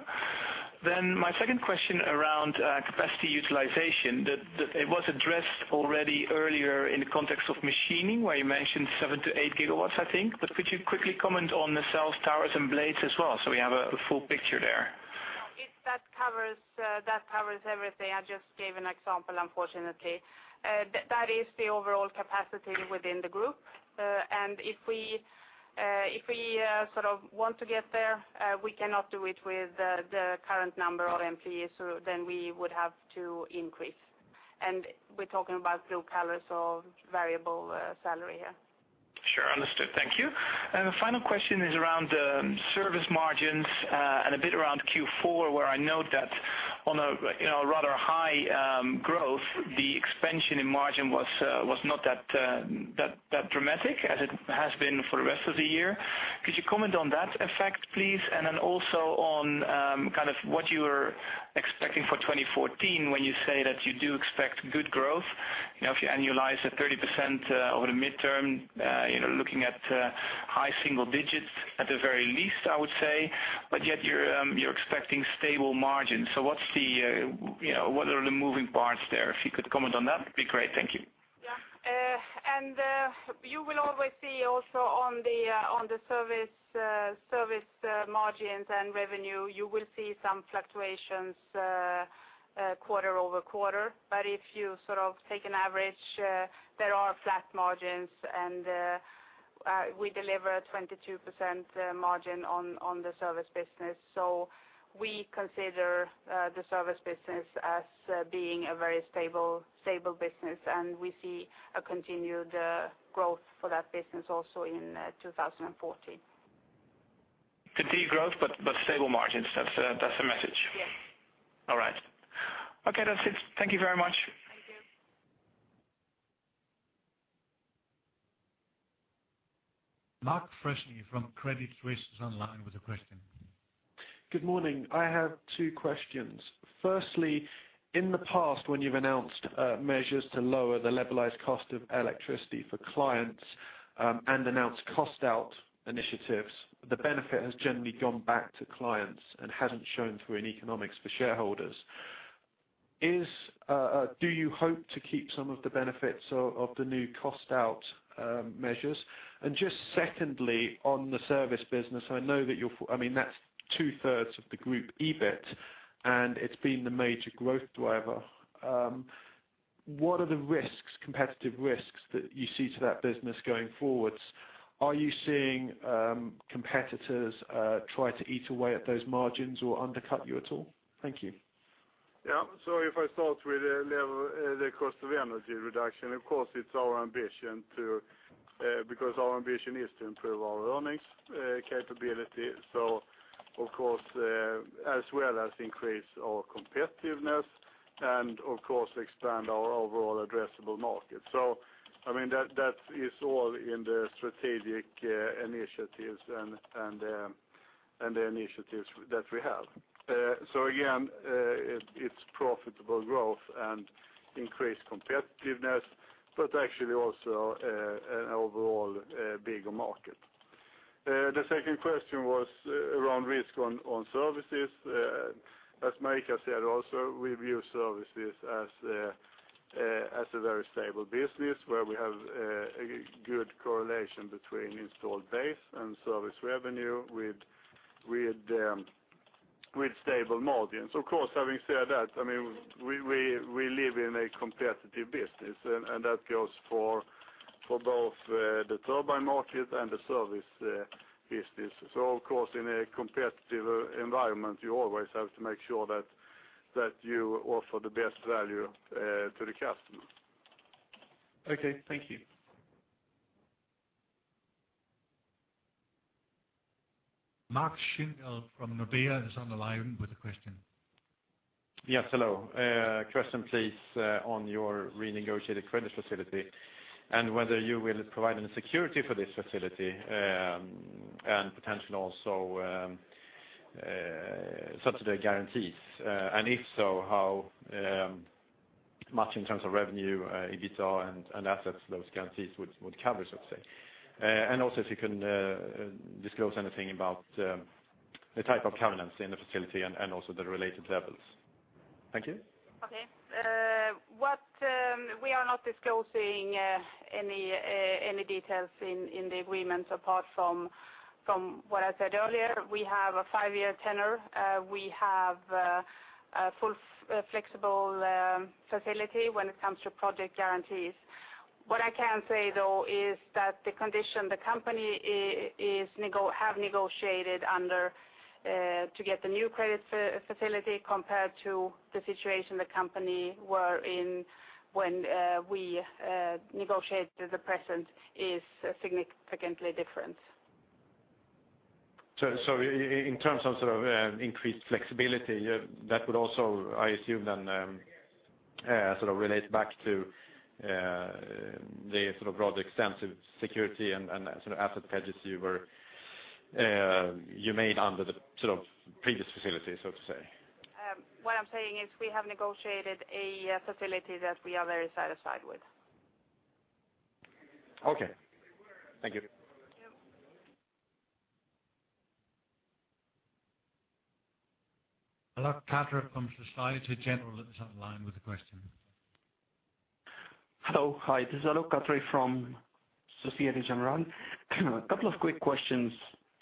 Then my second question around capacity utilization. It was addressed already earlier in the context of machining, where you mentioned 7-8 GW, I think. But could you quickly comment on the cells, towers, and blades as well, so we have a full picture there? No, if that covers, that covers everything. I just gave an example, unfortunately. That, that is the overall capacity within the group. And if we, if we, sort of want to get there, we cannot do it with the current number of employees, so then we would have to increase. And we're talking about blue-collar or variable salary here. Sure. Understood. Thank you. And the final question is around service margins, and a bit around Q4, where I note that on a, you know, a rather high growth, the expansion in margin was not that dramatic as it has been for the rest of the year. Could you comment on that effect, please? And then also on kind of what you were expecting for 2014, when you say that you do expect good growth. You know, if you annualize the 30% over the midterm, you know, looking at high single digits, at the very least, I would say, but yet you're expecting stable margins. So what's the, you know, what are the moving parts there? If you could comment on that, it'd be great. Thank you. Yeah. And you will always see also on the service margins and revenue, you will see some fluctuations quarter-over-quarter. But if you sort of take an average, there are flat margins, and we deliver 22% margin on the service business. So we consider the service business as being a very stable business, and we see a continued growth for that business also in 2014. Continued growth, but, but stable margins. That's, that's the message? Yes. All right. Okay, that's it. Thank you very much. Thank you. Mark Freshney from Credit Suisse is online with a question. Good morning. I have two questions. Firstly, in the past, when you've announced measures to lower the levelized cost of electricity for clients and announced cost out initiatives, the benefit has generally gone back to clients and hasn't shown through in economics for shareholders. Do you hope to keep some of the benefits of the new cost out measures? And just secondly, on the service business, I know that you're, I mean, that's 2/3 of the group EBIT, and it's been the major growth driver. What are the risks, competitive risks, that you see to that business going forwards? Are you seeing competitors try to eat away at those margins or undercut you at all? Thank you. Yeah. So if I start with the level, the cost of energy reduction, of course, it's our ambition to, because our ambition is to improve our earnings capability, so of course, as well as increase our competitiveness and of course expand our overall addressable market. So, I mean, that, that is all in the strategic initiatives and the initiatives that we have. So again, it, it's profitable growth and increased competitiveness, but actually also, an overall, bigger market. The second question was, around risk on services. As Marika said also, we view services as, as a very stable business, where we have, a good correlation between installed base and service revenue with, with, with stable margins. Of course, having said that, I mean, we live in a competitive business, and that goes for both the turbine market and the service business. So of course, in a competitive environment, you always have to make sure that you offer the best value to the customer. Okay, thank you. Patrik Setterberg from Nordea is on the line with a question. Yes, hello. Question please, on your renegotiated credit facility and whether you will provide any security for this facility, and potentially also, subsidy guarantees. And if so, how much in terms of revenue, EBITDA and assets those guarantees would cover, so to say? And also if you can disclose anything about the type of covenants in the facility and also the related levels. Thank you. Okay. We are not disclosing any details in the agreement apart from what I said earlier. We have a five-year tenor. We have a full flexible facility when it comes to project guarantees. What I can say, though, is that the condition the company have negotiated under to get the new credit facility, compared to the situation the company were in when we negotiated the present, is significantly different. So, in terms of sort of increased flexibility, that would also, I assume, then sort of relates back to the sort of broad extensive security and sort of asset hedges you were you made under the sort of previous facility, so to say? What I'm saying is we have negotiated a facility that we are very satisfied with. Okay. Thank you. You're welcome. Alok Katre from Société Générale is on the line with a question. Hello, hi. This is Alok Katre from Societe Generale. A couple of quick questions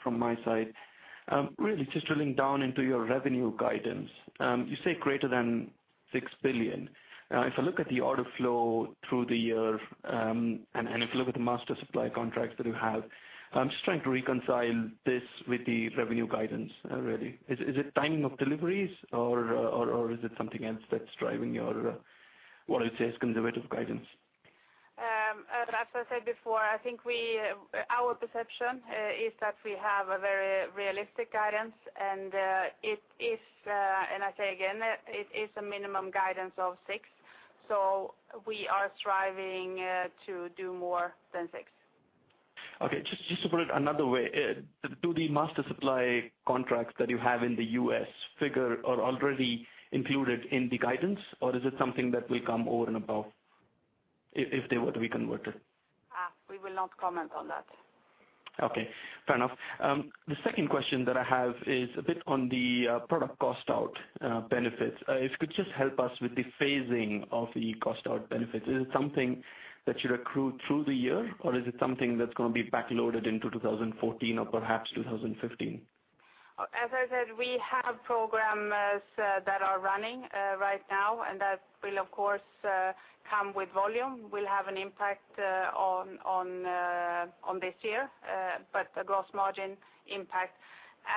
from my side. Really just drilling down into your revenue guidance. You say greater than 6 billion. If I look at the order flow through the year, and if you look at the master supply contracts that you have, I'm just trying to reconcile this with the revenue guidance, really. Is it timing of deliveries or is it something else that's driving your, what I'd say is conservative guidance? As I said before, I think we—our perception is that we have a very realistic guidance, and it is, and I say again, it is a minimum guidance of 6, so we are striving to do more than 6. Okay, just, just to put it another way, do the master supply contracts that you have in the U.S. figure are already included in the guidance, or is it something that will come over and above if they were to be converted? Ah, we will not comment on that. Okay, fair enough. The second question that I have is a bit on the product cost out benefits. If you could just help us with the phasing of the cost out benefits. Is it something that you recruit through the year, or is it something that's gonna be backloaded into 2014 or perhaps 2015? As I said, we have programs that are running right now, and that will, of course, come with volume, will have an impact on this year, but a gross margin impact.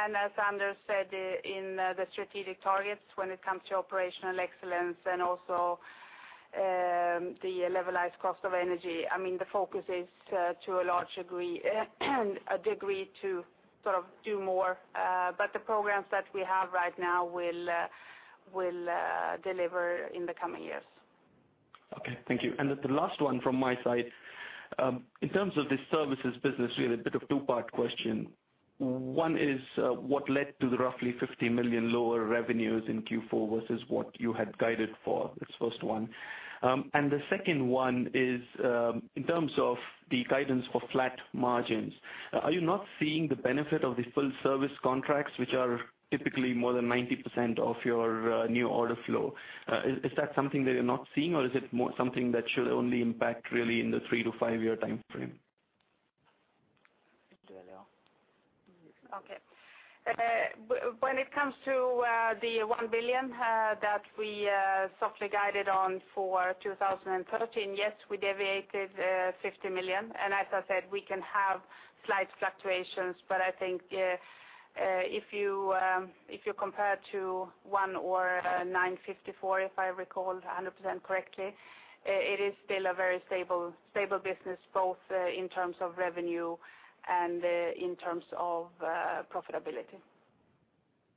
And as Anders said, in the strategic targets when it comes to operational excellence and also the levelized cost of energy, I mean, the focus is to a large degree to sort of do more, but the programs that we have right now will deliver in the coming years. Okay, thank you. And the last one from my side, in terms of the services business, really a bit of two-part question. One is, what led to the roughly 50 million lower revenues in Q4 versus what you had guided for? That's the first one. And the second one is, in terms of the guidance for flat margins, are you not seeing the benefit of the full service contracts, which are typically more than 90% of your, new order flow? Is that something that you're not seeing, or is it more something that should only impact really in the three to five-year timeframe? Okay. When it comes to the 1 billion that we softly guided on for 2013, yes, we deviated 50 million. And as I said, we can have slight fluctuations, but I think if you compare to 101 or 954, if I recall 100% correctly, it is still a very stable, stable business, both in terms of revenue and in terms of profitability.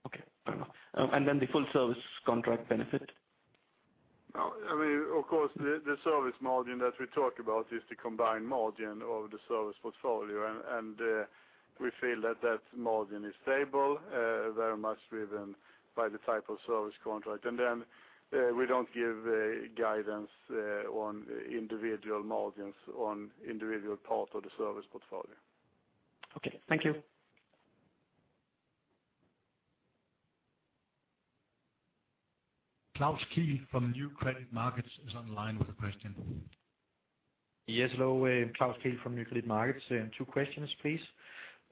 Okay, fair enough. And then the full service contract benefit? I mean, of course, the service margin that we talk about is the combined margin of the service portfolio, and we feel that that margin is stable, very much driven by the type of service contract. And then, we don't give guidance on individual margins, on individual part of the service portfolio. Okay, thank you. Klaus Kehl from Nykredit Markets is online with a question. Yes, hello, Klaus Kehl from Nykredit Markets. Two questions, please.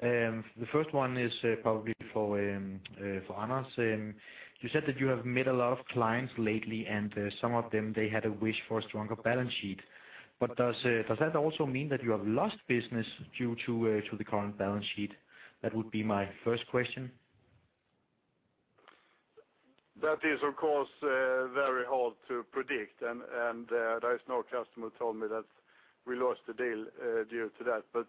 The first one is, probably for Anders. You said that you have met a lot of clients lately, and some of them, they had a wish for a stronger balance sheet. But does that also mean that you have lost business due to the current balance sheet? That would be my first question. That is, of course, very hard to predict, and there is no customer told me that we lost a deal due to that. But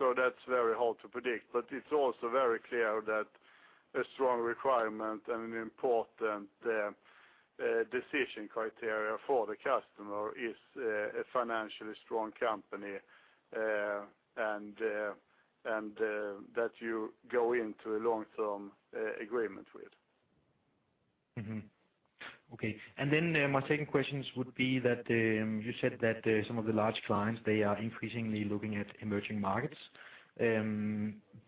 so that's very hard to predict, but it's also very clear that a strong requirement and an important decision criteria for the customer is a financially strong company, and that you go into a long-term agreement with. Mm-hmm. Okay, and then, my second questions would be that, you said that, some of the large clients, they are increasingly looking at emerging markets.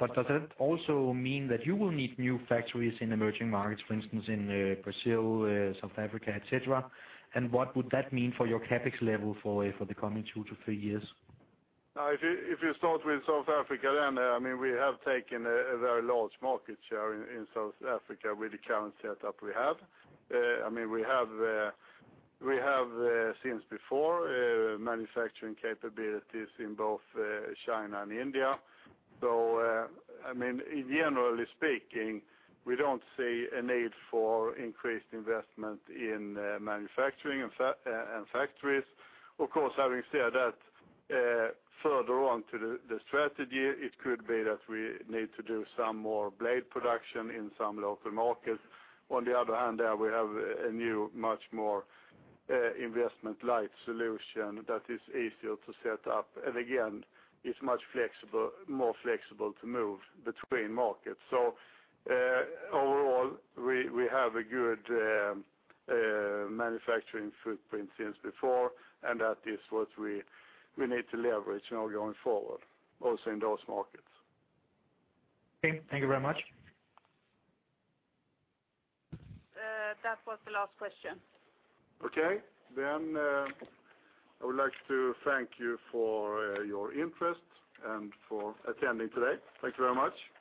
But does that also mean that you will need new factories in emerging markets, for instance, in, Brazil, South Africa, et cetera? And what would that mean for your CapEx level for, for the coming two to three years? If you start with South Africa, then, I mean, we have taken a very large market share in South Africa with the current setup we have. I mean, we have since before manufacturing capabilities in both China and India. So, I mean, generally speaking, we don't see a need for increased investment in manufacturing and factories. Of course, having said that, further on to the strategy, it could be that we need to do some more blade production in some local markets. On the other hand, we have a new, much more investment-light solution that is easier to set up, and again, it's much flexible, more flexible to move between markets. Overall, we have a good manufacturing footprint since before, and that is what we need to leverage, you know, going forward, also in those markets. Okay, thank you very much. That was the last question. Okay. Then, I would like to thank you for your interest and for attending today. Thank you very much. Thank you.